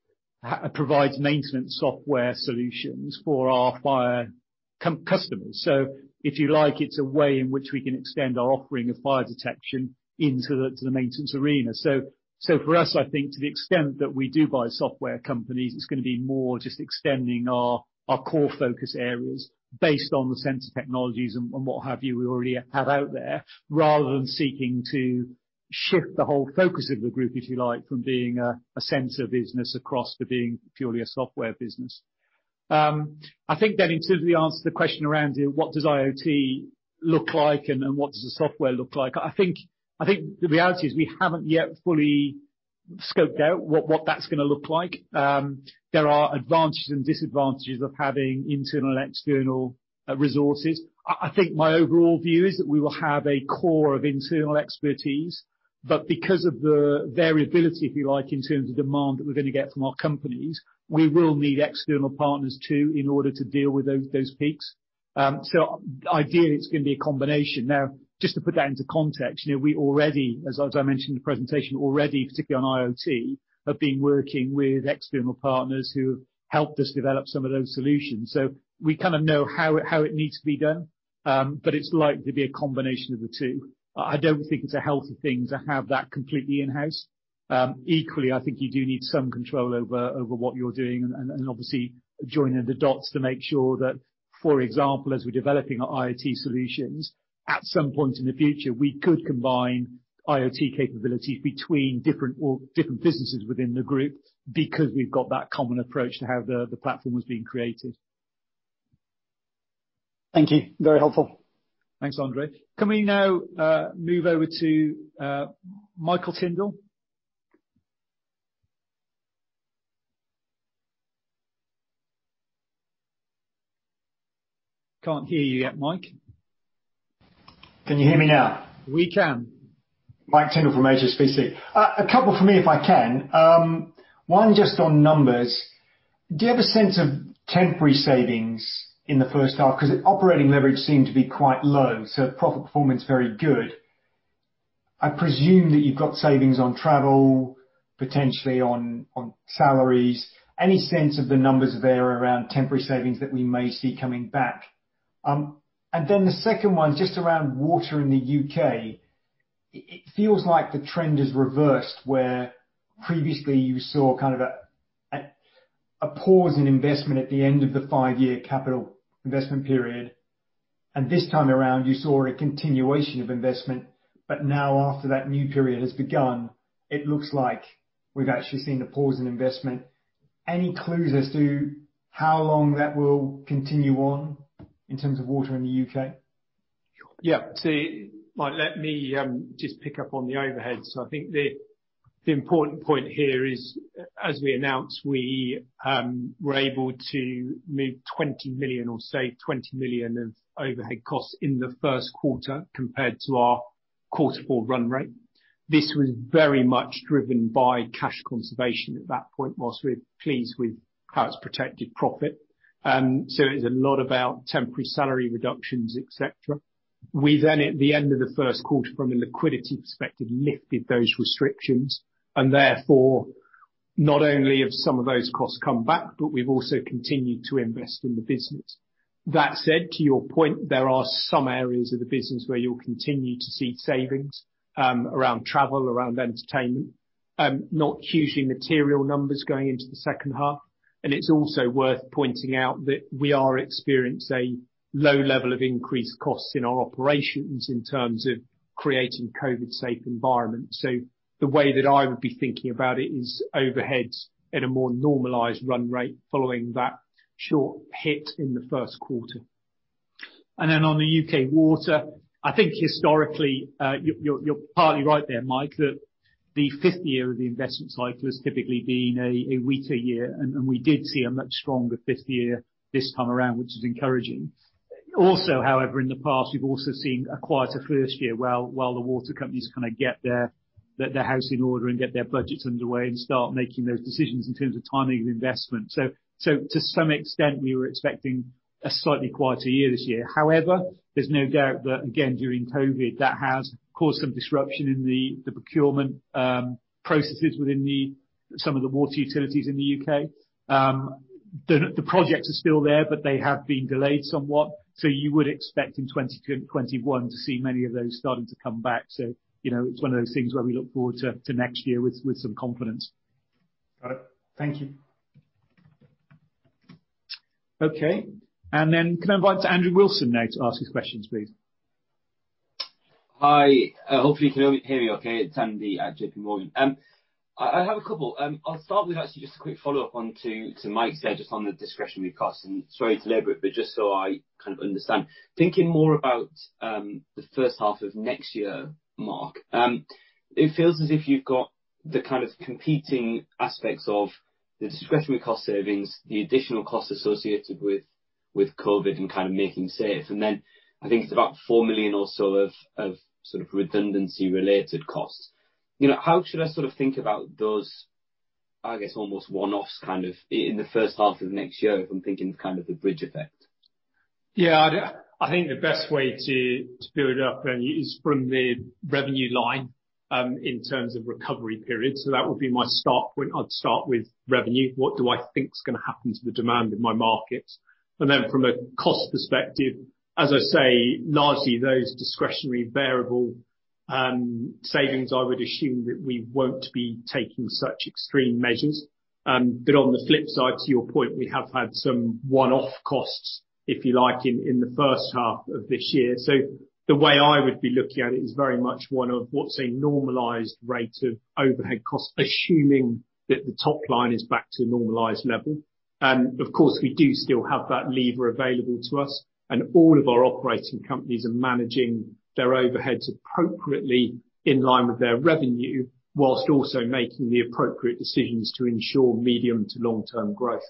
provides maintenance software solutions for our fire customers. So if you like, it's a way in which we can extend our offering of fire detection into the maintenance arena. So for us, I think to the extent that we do buy software companies, it's going to be more just extending our core focus areas based on the sensor technologies and what have you we already have out there, rather than seeking to shift the whole focus of the group, if you like, from being a sensor business across to being purely a software business. I think that in terms of the answer to the question around what does IoT look like and what does the software look like? I think the reality is we haven't yet fully scoped out what that's going to look like. There are advantages and disadvantages of having internal and external resources. I think my overall view is that we will have a core of internal expertise, but because of the variability, if you like, in terms of demand that we're going to get from our companies, we will need external partners too in order to deal with those peaks. So ideally it's going to be a combination. Now, just to put that into context, we already, as I mentioned in the presentation already, particularly on IoT, have been working with external partners who helped us develop some of those solutions. We kind of know how it needs to be done, but it's likely to be a combination of the two. I don't think it's a healthy thing to have that completely in house. Equally, I think you do need some control over what you're doing and obviously joining the dots to make sure that, for example, as we're developing our IoT solutions, at some point in the future, we could combine IoT capabilities between different businesses within the group because we've got that common approach to how the platform was being created. Thank you, very helpful. Thanks Andrew. Can we now move over to Michael Tindall? Can't hear you yet. Mike, can you hear me now? We can. Michael Tyndall from HSBC. A couple for. Me if I can. One just on numbers. Do you have a sense of temporary savings the first half because operating leverage seemed to be quite low, so profit performance very good. I presume that you've got savings on travel, potentially on salaries. Any sense of the numbers there around temporary savings that we may see coming back? And then the second one just around water in the U.K. It feels like the trend is reversed. Where previously you saw kind of a pause in investment at the end of the five-year capital investment period and this time around you saw a continuation of investment but now after that new period has begun, it looks like we've actually seen a pause in investment. Any clues as to how long that will continue on in terms of water in the U.K.? Yeah, let me just pick up on the overhead. So I think the important point here is as we announced we were able to move 20 million or save 20 million of overhead costs in the first quarter compared to our quarter four run rate. This was very much driven by cash conservation at that point. Whilst we're pleased with how it's protected profit, so it's a lot about temporary salary reductions, etc. We then at the end of the first quarter from a liquidity perspective, lifted those restrictions and therefore not only have some of those costs come back, but we've also continued to invest in the business. That said, to your point, there are some areas of the business where you'll continue to see savings around travel, around entertainment, not hugely material numbers going into the second half. And it's also worth pointing out that we are experiencing a low level of increased costs in our operations in terms of creating COVID-safe environment. So the way that I would be thinking about it is overhead at a more normalized run rate following that short hit in the first quarter and then on the U.K. water. I think historically you're partly right there Mike, that the fifth year of the investment cycle has typically been a weaker year and we did see a much stronger fifth year this time around, which is encouraging also. However, in the past we've also seen a quieter first year while the water companies kind of get their house in order and get their budgets underway and start making those decisions in terms of timing of investment. So to some extent we were expecting a slightly quieter year this year. However, there's no doubt that again during COVID that has caused some disruption in the procurement processes within some of the water utilities in the U.K. The projects are still there, but they have been delayed somewhat. So you would expect in 2021 to see many of those starting to come back. So you know, it's one of those things where we look forward to next year with some confidence. Thank you. Okay, and then can I invite Andrew Wilson now to ask his questions, please? Hi, hopefully you can hear me. Okay. It's Andrew, J.P. Morgan. I have a couple I'll start with. Actually just a quick follow up on what Mike said just on the discretionary costs and, sorry, deliberate. But just so I kind of understand, thinking more about the first half of next year, Marc, it feels as if you've got the kind of competing aspects of the discretionary cost savings, the additional costs associated with COVID and kind of making safe and then I think it's about four million or so of cost, sort of redundancy related costs. You know, how should I sort of think about those? I guess almost one-offs kind of in the first half of next year if I'm thinking of kind of the bridge effect. Yeah, I think the best way to build up is from the revenue line in terms of recovery period. So that would be my start. When I'd start with revenue, what do I think is going to happen to the demand in my markets? And then from a cost perspective, as I say, largely those discretionary variable savings, I would assume that we won't be taking such extreme measures. But on the flip side to your point, we have had some one-off costs, if you like, in the first half of this year. So the way I would be looking at it is very much one of what's a normalized rate of overhead cost, assuming that the top line is back to normalized level. Of course we do still have that lever available to us and all of our operating companies are managing their overheads appropriately in line with their revenue while also making the appropriate decisions to ensure medium- to long-term growth.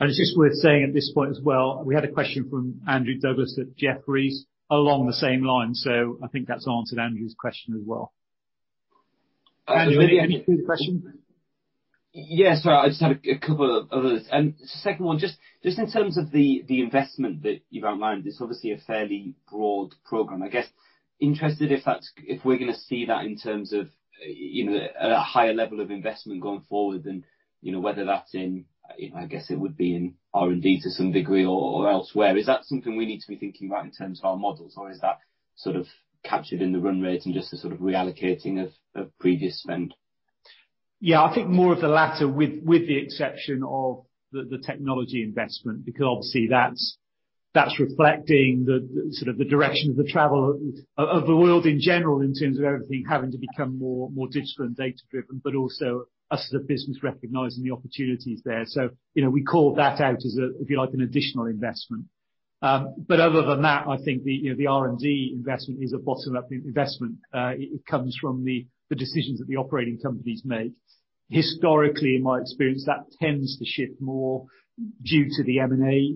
It's just worth saying at this point as well, we had a question from Andrew Douglas at Jefferies along the same line. So I think that's answered Andrew's question as well. Yes, I just had a couple of others and second one, just in terms of the investment that you've outlined. It's obviously a fairly broad program, I guess. Interested if we're going to see that in terms of a higher level of investment going forward than whether that's in. I guess it would be in R&D to some degree or elsewhere. Is that something we need to be thinking about in terms of our models or is that sort of captured in the run rate and just the sort of reallocating of previous spend? Yeah, I think more of the latter. With the exception of the technology investment because obviously that's reflecting the direction of the travel of the world in general in terms of everything having to become more digital and data driven, but also us as a business recognizing the opportunities there. So we call that out as if you like an additional investment. But other than that, I think the R&D investment is a bottom up investment. It comes from the decisions that the operating companies make. Historically, in my experience that tends to shift more due to the M&A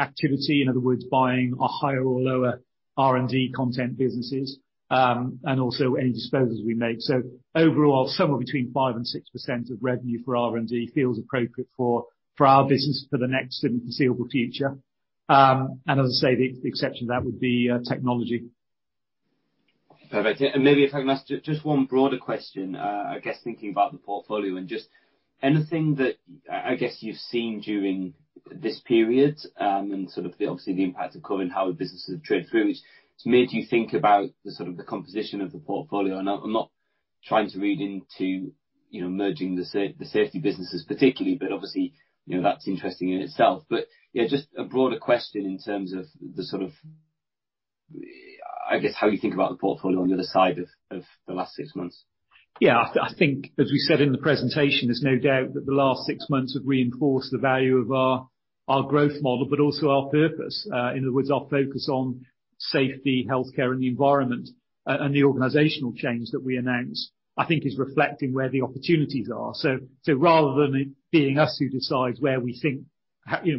activity. In other words, buying a higher or lower R&D content businesses and also any disposals we make. So overall somewhere between 5% and 6% of revenue for R&D feels appropriate for our business for the next and foreseeable future. As I say, the exception to that would be technology. And maybe if I can ask just one broader question, I guess thinking about the portfolio and just anything that I guess you've seen during this period and sort of obviously the impact of COVID and how businesses have traded through, which made you think about the sort of composition of the portfolio. And I'm not trying to read into, you know, merging the safety businesses particularly, but obviously, you know, that's interesting in itself. But yeah, just a broader question in terms of the sort of. I guess how you think about the portfolio on the other side of the last six months? Yeah, I think as we said in. The presentation. There's no doubt that the last six months have reinforced the value of our growth model, but also our purpose, in other words, our focus on safety, healthcare and the environment, and the organizational change that we announce, I think, is reflecting where the opportunities are. So rather than it being us who decides where we think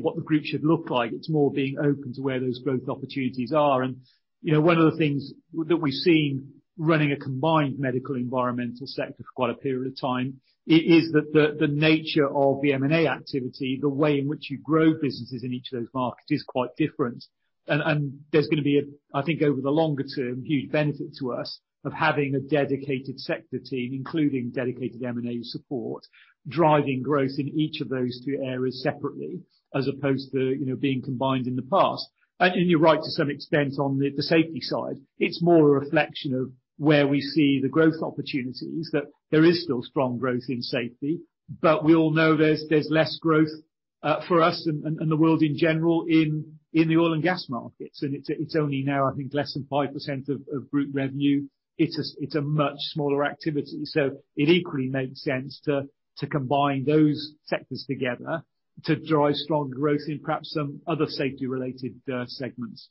what the group should look like, it's more being open to where those growth opportunities are. And one of the things that we've seen, running a combined medical, environmental sector for quite a period of time, is that the nature of the M&A activity, the way in which you grow businesses in each of those markets, is quite different. And there's going to be, I think, over the longer term huge benefit to us of having a dedicated sector team, including dedicated M&A support driving growth in each of those two areas separately as opposed to being combined in the past. And you're right to some extent on the safety side. It's more a reflection of where we see the growth opportunities, that there is still strong growth in safety, but we all know there's less growth for us and the world in general in the oil and gas markets and it's only now, I think, less than 5% of group revenue. It's a much smaller activity. So it equally makes sense to combine those sectors together to drive strong growth in perhaps some other safety related segments.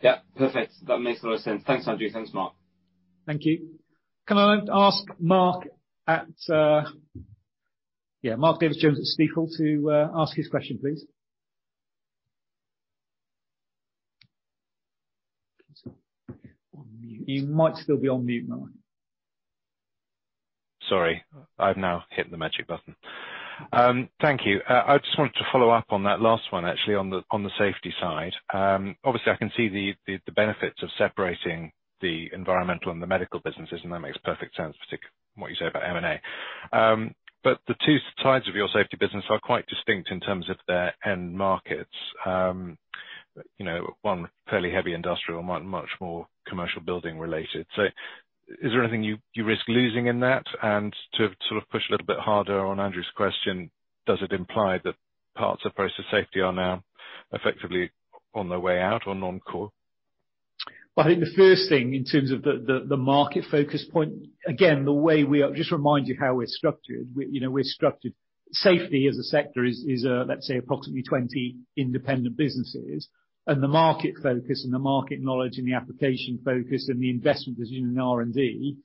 Yeah, perfect. That makes a lot of sense. Thanks Andrew. Thanks Marc. Thank you. Can I ask Mark at? Yeah, Mark Davies Jones at Stifel to ask his question please? You might still be on mute. Mark. Sorry, I've now hit the magic button. Thank you. I just wanted to follow up on that last one actually. On the safety side, obviously I can see the benefits of separating the environmental and the medical businesses and that makes perfect sense. Particularly what you say about M&A. But the two sides of your safety business are quite distinct in terms of their end markets. You know, one fairly heavy industrial, much more commercial building related. So is there anything you risk losing in that? And to sort of push a little bit harder on Andrew's question, does it imply that parts of process safety are now effectively on the way out or non-core? I think the first thing in terms of the market focus point again the way we are just remind you how we're structured. You know, we're structured safety as a sector is let's say approximately 20 independent businesses and the market focus and the market knowledge and the application focus and the investment decision in R&D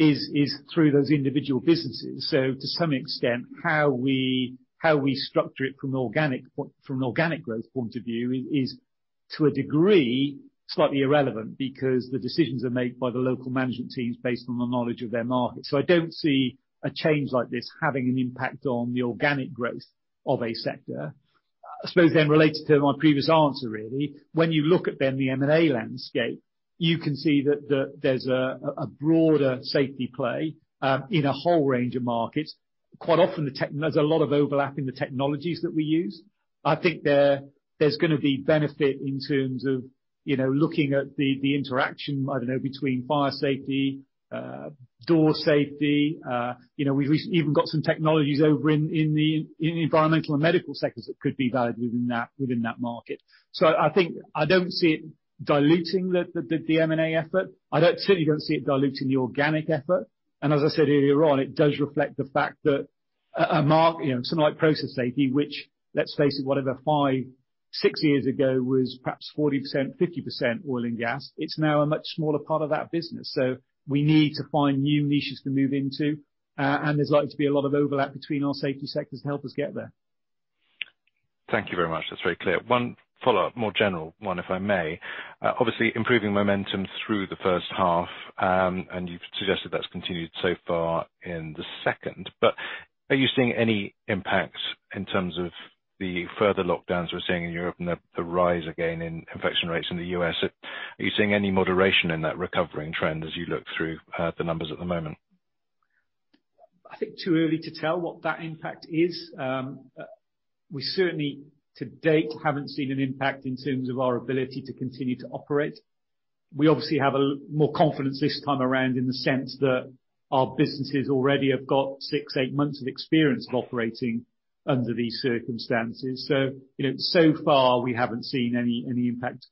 is through those individual businesses. So to some extent how we structure it from an organic growth point of view is to a degree slightly irrelevant because the decisions are made by the local management teams based on the knowledge of their market. So I don't see a change like this having an impact on the organic growth of a sector. I suppose then related to my previous. And, really, when you look at the M&A landscape, you can see that there's a broader safety play in a whole range of markets. Quite often there's a lot of overlap. In the technologies that we use. I think there's going to be benefit in terms of looking at the interaction, I don't know between fire safety, door safety. We've even got some technologies over in the environmental and medical sectors that could be valid within that market. I don't see it diluting the M and A effort. I certainly don't see it diluting the organic effort. As I said earlier on, it. Does reflect the fact that something like process safety, which let's face it, whatever five, six years ago was perhaps 40%, 50% oil and gas, it's now a much smaller part of that business. So we need to find new niches to move into and there's likely to be a lot of overlap between our safety sectors to help us get there. Thank you very much. That's very clear. One follow up, more general one, if I may. Obviously improving momentum through the first half and you've suggested that's continued so far in the second. But are you seeing any impact in terms of the further lockdowns we're seeing in Europe and the rise again in infection rates in the U.S.? Are you seeing any moderation in that recovering trend as you look through the numbers at the moment? I think too early to tell what that impact is. We certainly to date haven't seen an impact in terms of our ability to continue to operate. We obviously have more confidence this time around in the sense that our businesses already have got six, eight months of experience of operating under these circumstances. So far we haven't seen any impact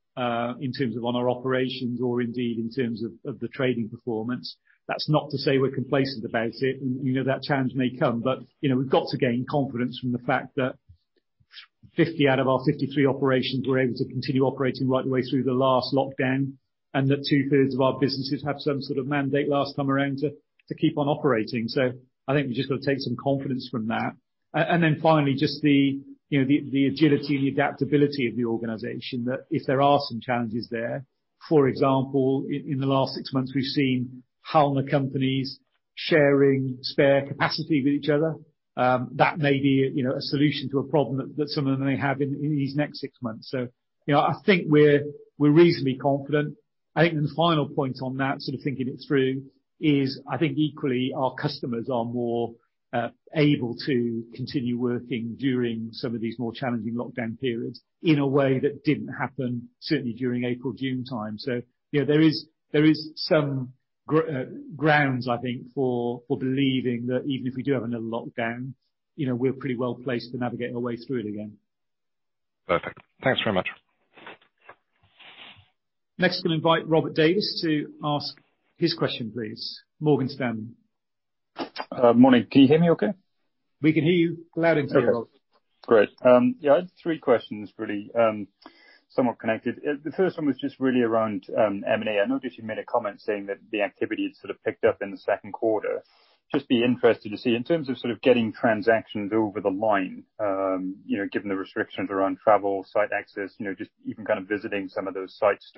in terms of on our operations or indeed in terms of the trading performance. That's not to say we're complacent about it. That challenge may come, but you know, we've got to gain confidence from the fact that 50 out of our 53 operations were able to continue operating right the way through the last lockdown and that 2/3 of our businesses have some sort of mandate last time around to keep on operating. So I think we just got to take some confidence from that. And then finally just the agility and the adaptability of the organization that if there are some challenges there. For example, in the last six months we've seen Halma companies sharing spare capacity with each other. That may be a solution to a problem that some of them may have in these next six months. So I think we're reasonably confident. I think the final point on that sort of thinking it through is I think equally our customers are more able to continue working during some of these more challenging lockdown periods in a way that didn't happen certainly during April, June time. So there is some grounds, I think, for believing that even if we do have another lockdown, we're pretty well placed to navigate our way through it again. Perfect. Thanks very much. Next we'll invite Robert Davies to ask his question, please. Morgan Stanley. Morning. Can you hear me okay? We can hear you loud and clear. Great. Yeah, I had three questions really somewhat connected. The first one was just really around M and A. I noticed you made a comment saying that the activity had sort of picked up in the second quarter. Just be interested to see in terms of sort of getting transactions over the line, you know, given the restrictions around travel, site access, you know, just even kind of visiting some of those sites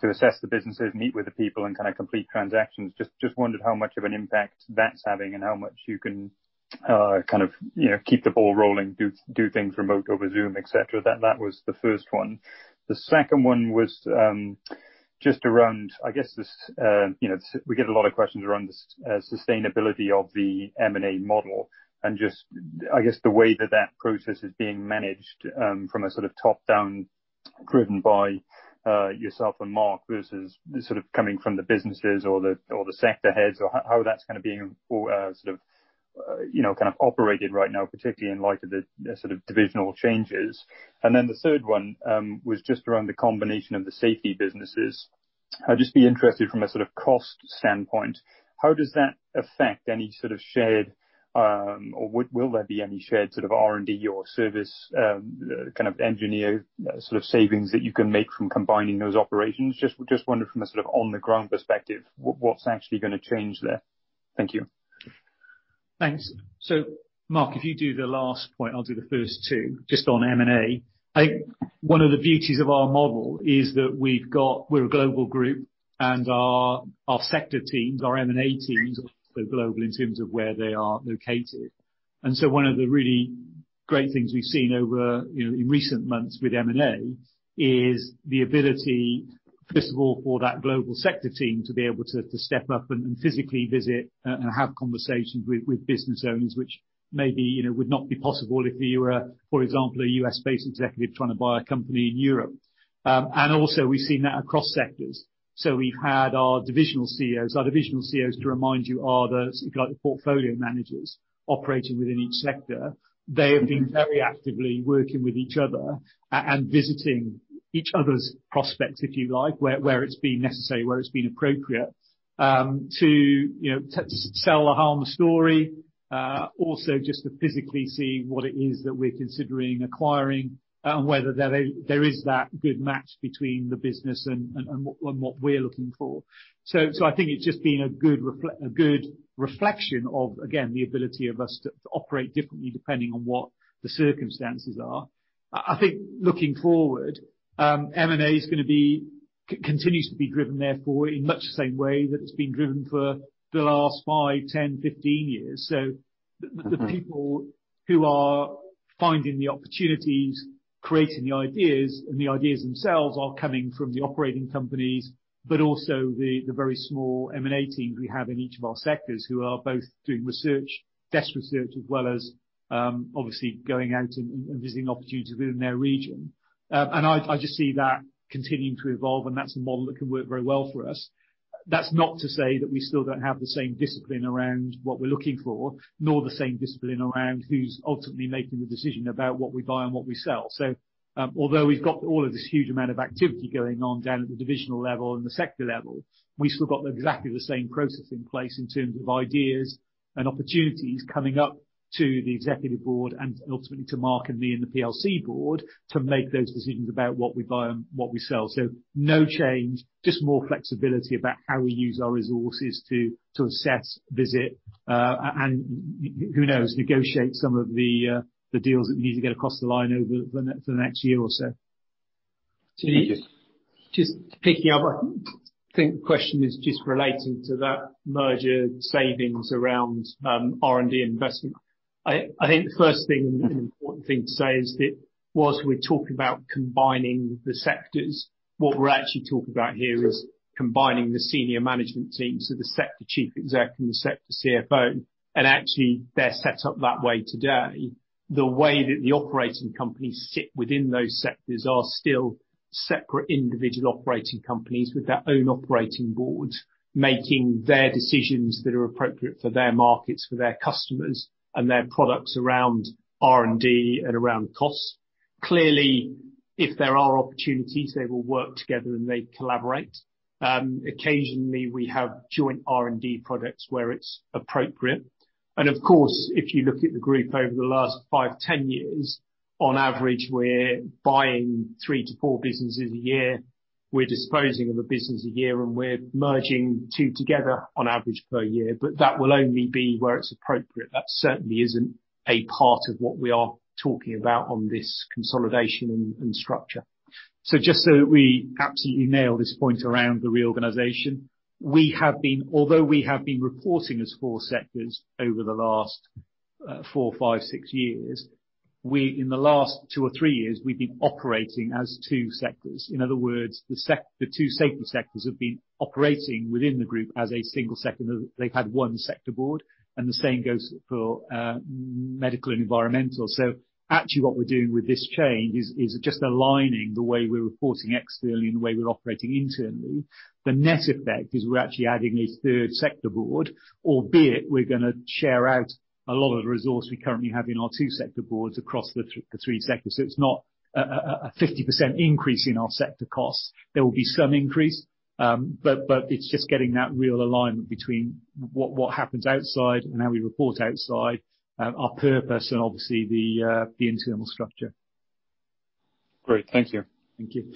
to assess the businesses, meet with the people and kind of complete transactions. Just wondered how much of an impact that's having and how much you can kind of, you know, keep the ball rolling, do things remote, over zoom, et cetera. That was the first one. The second one was just around I guess this, you know, we get a lot of questions around the sustainability of the M and A model and just I guess the way that that process is being managed from a sort of top down driven by yourself and Mark versus sort of coming from the businesses or the, or the sector heads or how that's going to be sort of, you know, kind of operated right now, particularly in light of the sort of divisional changes. And then the third one was just around the combination of the safety. I'd just be interested from a sort of cost standpoint, how does that affect any sort of shared or will there be any shared sort of R&D or service kind of engineer sort of savings that you can make from combining those operations. Just wonder from a sort of on the ground perspective what's actually going to change there? Thank you. Thanks. So Mark, if you do the last point, I'll do the first two just on M and A. I think one of the beauties of our model is that we've got, we're a global group and our sector teams, our M and A teams are global in terms of where they are located. And so one of the really great things we've seen over in recent months with M and A is the ability first of all for that global sector team to be able to step up and physically visit and have conversations with business owners which maybe would not be possible if you were for example a U.S. based executive trying to buy a company in Europe. And also we've seen that across sectors. So we've had our divisional CEOs, our divisional CEOs to remind you are the portfolio managers operating within each sector. They have been very actively working with each other and visiting each other's prospects if you like, where it's been necessary, where it's been appropriate to sell the Halma story also just to physically see what it is that we're considering acquiring and whether there is that good match between the business and what we're looking for. So I think it's just been a good reflection of again the ability of us to operate differently depending on what the circumstances are. I think looking forward, M&A is going to be continues to be driven, therefore in much the same way that it's been driven for the last five, 10, 15 years. So the people who are finding the opportunities, creating the ideas, and the ideas themselves are coming from the operating companies, but also the very small M and A teams we have in each of our sectors who are both doing research, desk research, as well as obviously going out and visiting opportunities within their region. And I just see that continuing to evolve. And that's a model that can work very well for us. That's not to say that we still don't have the same discipline around what we're looking for, nor the same discipline around who's ultimately making the decision about what we buy and what we sell. So although we've got all of this huge amount of activity going on down at the divisional level and the sector level, we still got exactly the same process in place in terms of ideas and opportunities coming up to the executive board and ultimately to Marc and me and the PLC board to make those decisions about what we buy and what we sell. So no change, just more flexibility about how we use our resources to assess, visit and who knows, negotiate some of the deals that we need to get across the line over for the next year or so. Just picking up, I think the question is just relating to that merger savings around R&D investment. I think the first thing and important thing to say is that, as we talked about combining the sectors. What we're actually talking about here is combining the senior management team, so the Sector Chief Executive, Sector CFO. And actually they're set up that way today. The way that the operating companies sit within those sectors are still separate individual operating companies with their own operating board making their decisions that are appropriate for their markets, for their customers and their products, around R&D and around cost. Clearly, if there are opportunities, they will work together and they collaborate. Occasionally we have joint R&D products where it's appropriate. And of course, if you look at the group over the last five, 10 years, on average, we're buying three to four businesses a year. We're disposing of a business a year and we're merging two together on average per year. But that will only be where it's approved. That certainly isn't a part of what we are talking about on this consolidation and structure. So just so we absolutely nail this point around the reorganization. We have been, although we have been reporting as four sectors over the last four, five, six years, in the last two or three years we've been operating as two sectors. In other words, the two safety sectors have been operating within the group as a single sector, they've had one sector board and the same goes for medical and environmental. So actually what we're doing with this change is just aligning the way we're reporting externally and the way we're operating internally. The net effect is we're actually adding a third sector board, albeit we're going to share out a lot of the resource we currently have in our two sector boards across the three sectors. So it's not a 50% increase in our sector costs. There will be some increase, but it's just getting that real alignment between what happens outside and how we report outside our purpose and obviously the internal structure. Great, thank you. Thank you.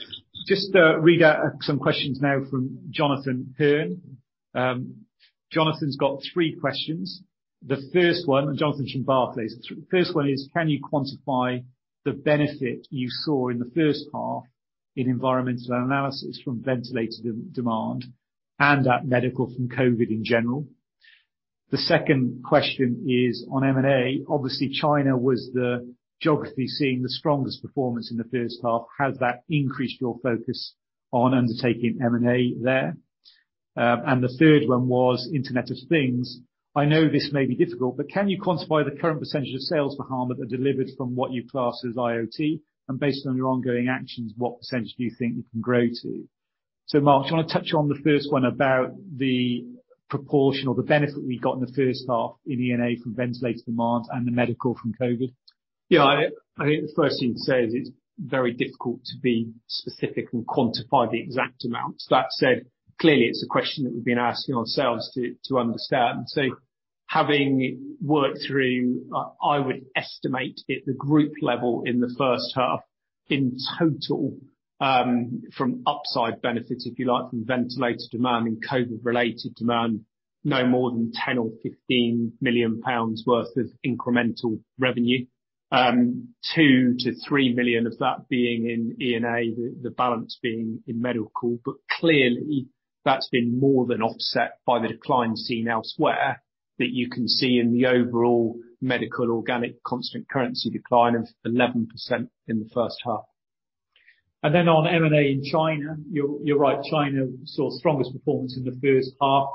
Just read some questions now from Jonathan Hearn. Jonathan's got three questions. The first one and Jonathan from Barclays. First one is can you quantify the benefit you saw in the first half in environmental analysis from ventilator demand and at medical from COVID in general? The second question is on M and A, obviously China was the geography seeing the strongest performance in the first half. Has that increased your focus on undertaking M and A there? And the third one was Internet of Things. I know this may be difficult, but can you quantify the current percentage of sales for Halma that are delivered from what you class as IoT and based on your ongoing actions, what percentage do you think you can grow to? Mark, do you want to touch on the first one about the proportion or the benefit we got in the first half in ENA from ventilator demand and the medical from COVID? Yeah, I think the first thing to say is it's very difficult to be specific and quantify the exact amount. That said, clearly it's a question that we've been asking ourselves to understand. Having worked through, I would estimate at the group level in the first half in total from upside benefits, if you like, from ventilator demand and COVID-related demand, no more than 10 or 15 million worth of incremental revenue, 2-3 million of that being in ENA, the balance being in medical. But clearly that's been more than offset by the decline seen elsewhere that you can see in the overall medical organic constant currency decline of 11% in the first half. And then on M&A in China. You're right, China saw strongest performance in the first half.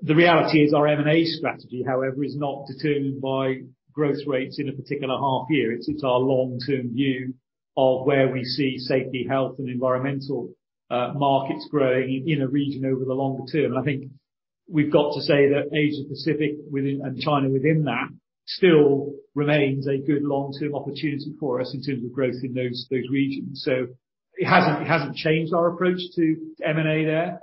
The reality is our M&A strategy, however, is not determined by growth rates in a particular half year. It's our long term view of where we see safety, health and environmental markets growing in a region over the longer term. I think we've got to say that Asia Pacific and China within that still remains a good long term opportunity for us in terms of growth in those regions. So it hasn't changed our approach to M and A there.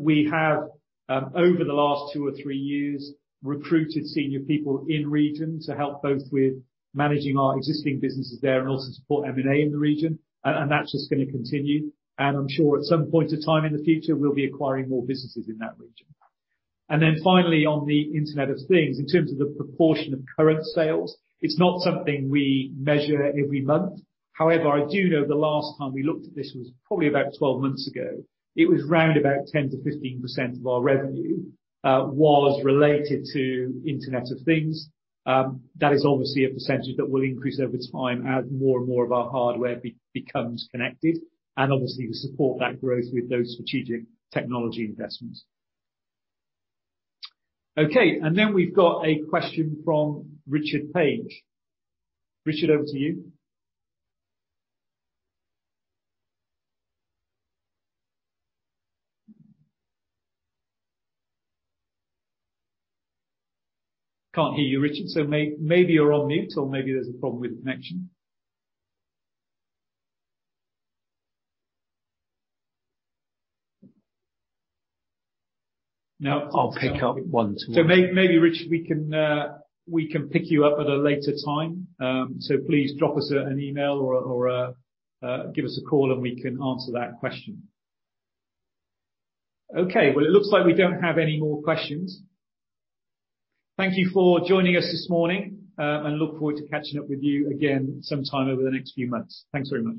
We have over the last two or three years recruited senior people in region to help both with managing our existing businesses there and also support M and A in the region. And that's just going to continue. And I'm sure at some point of time in the future we'll be acquiring more businesses in that region. And then finally on the Internet of Things, in terms of the proportion of current sales, it's not something we measure every month. However, I do know the last time we looked at this was probably about 12 months ago. It was round about 10%-15% of our revenue was related to Internet of Things. That is obviously a percentage that will increase over time as more and more of our hardware begins, becomes connected and obviously to support that growth with those strategic technology investments. Okay, and then we've got a question from Richard Page. Richard, over to you. Can't hear you, Richard, so maybe you're on mute or maybe there's a problem with the connection. I'll pick up one. So maybe Richard, we can pick you up at a later time. So please drop us an email or give us a call and we can answer that question. Okay, well, it looks like we don't have any more questions. Thank you for joining us this morning and look forward to catching up with you again sometime over the next few months. Thanks very much.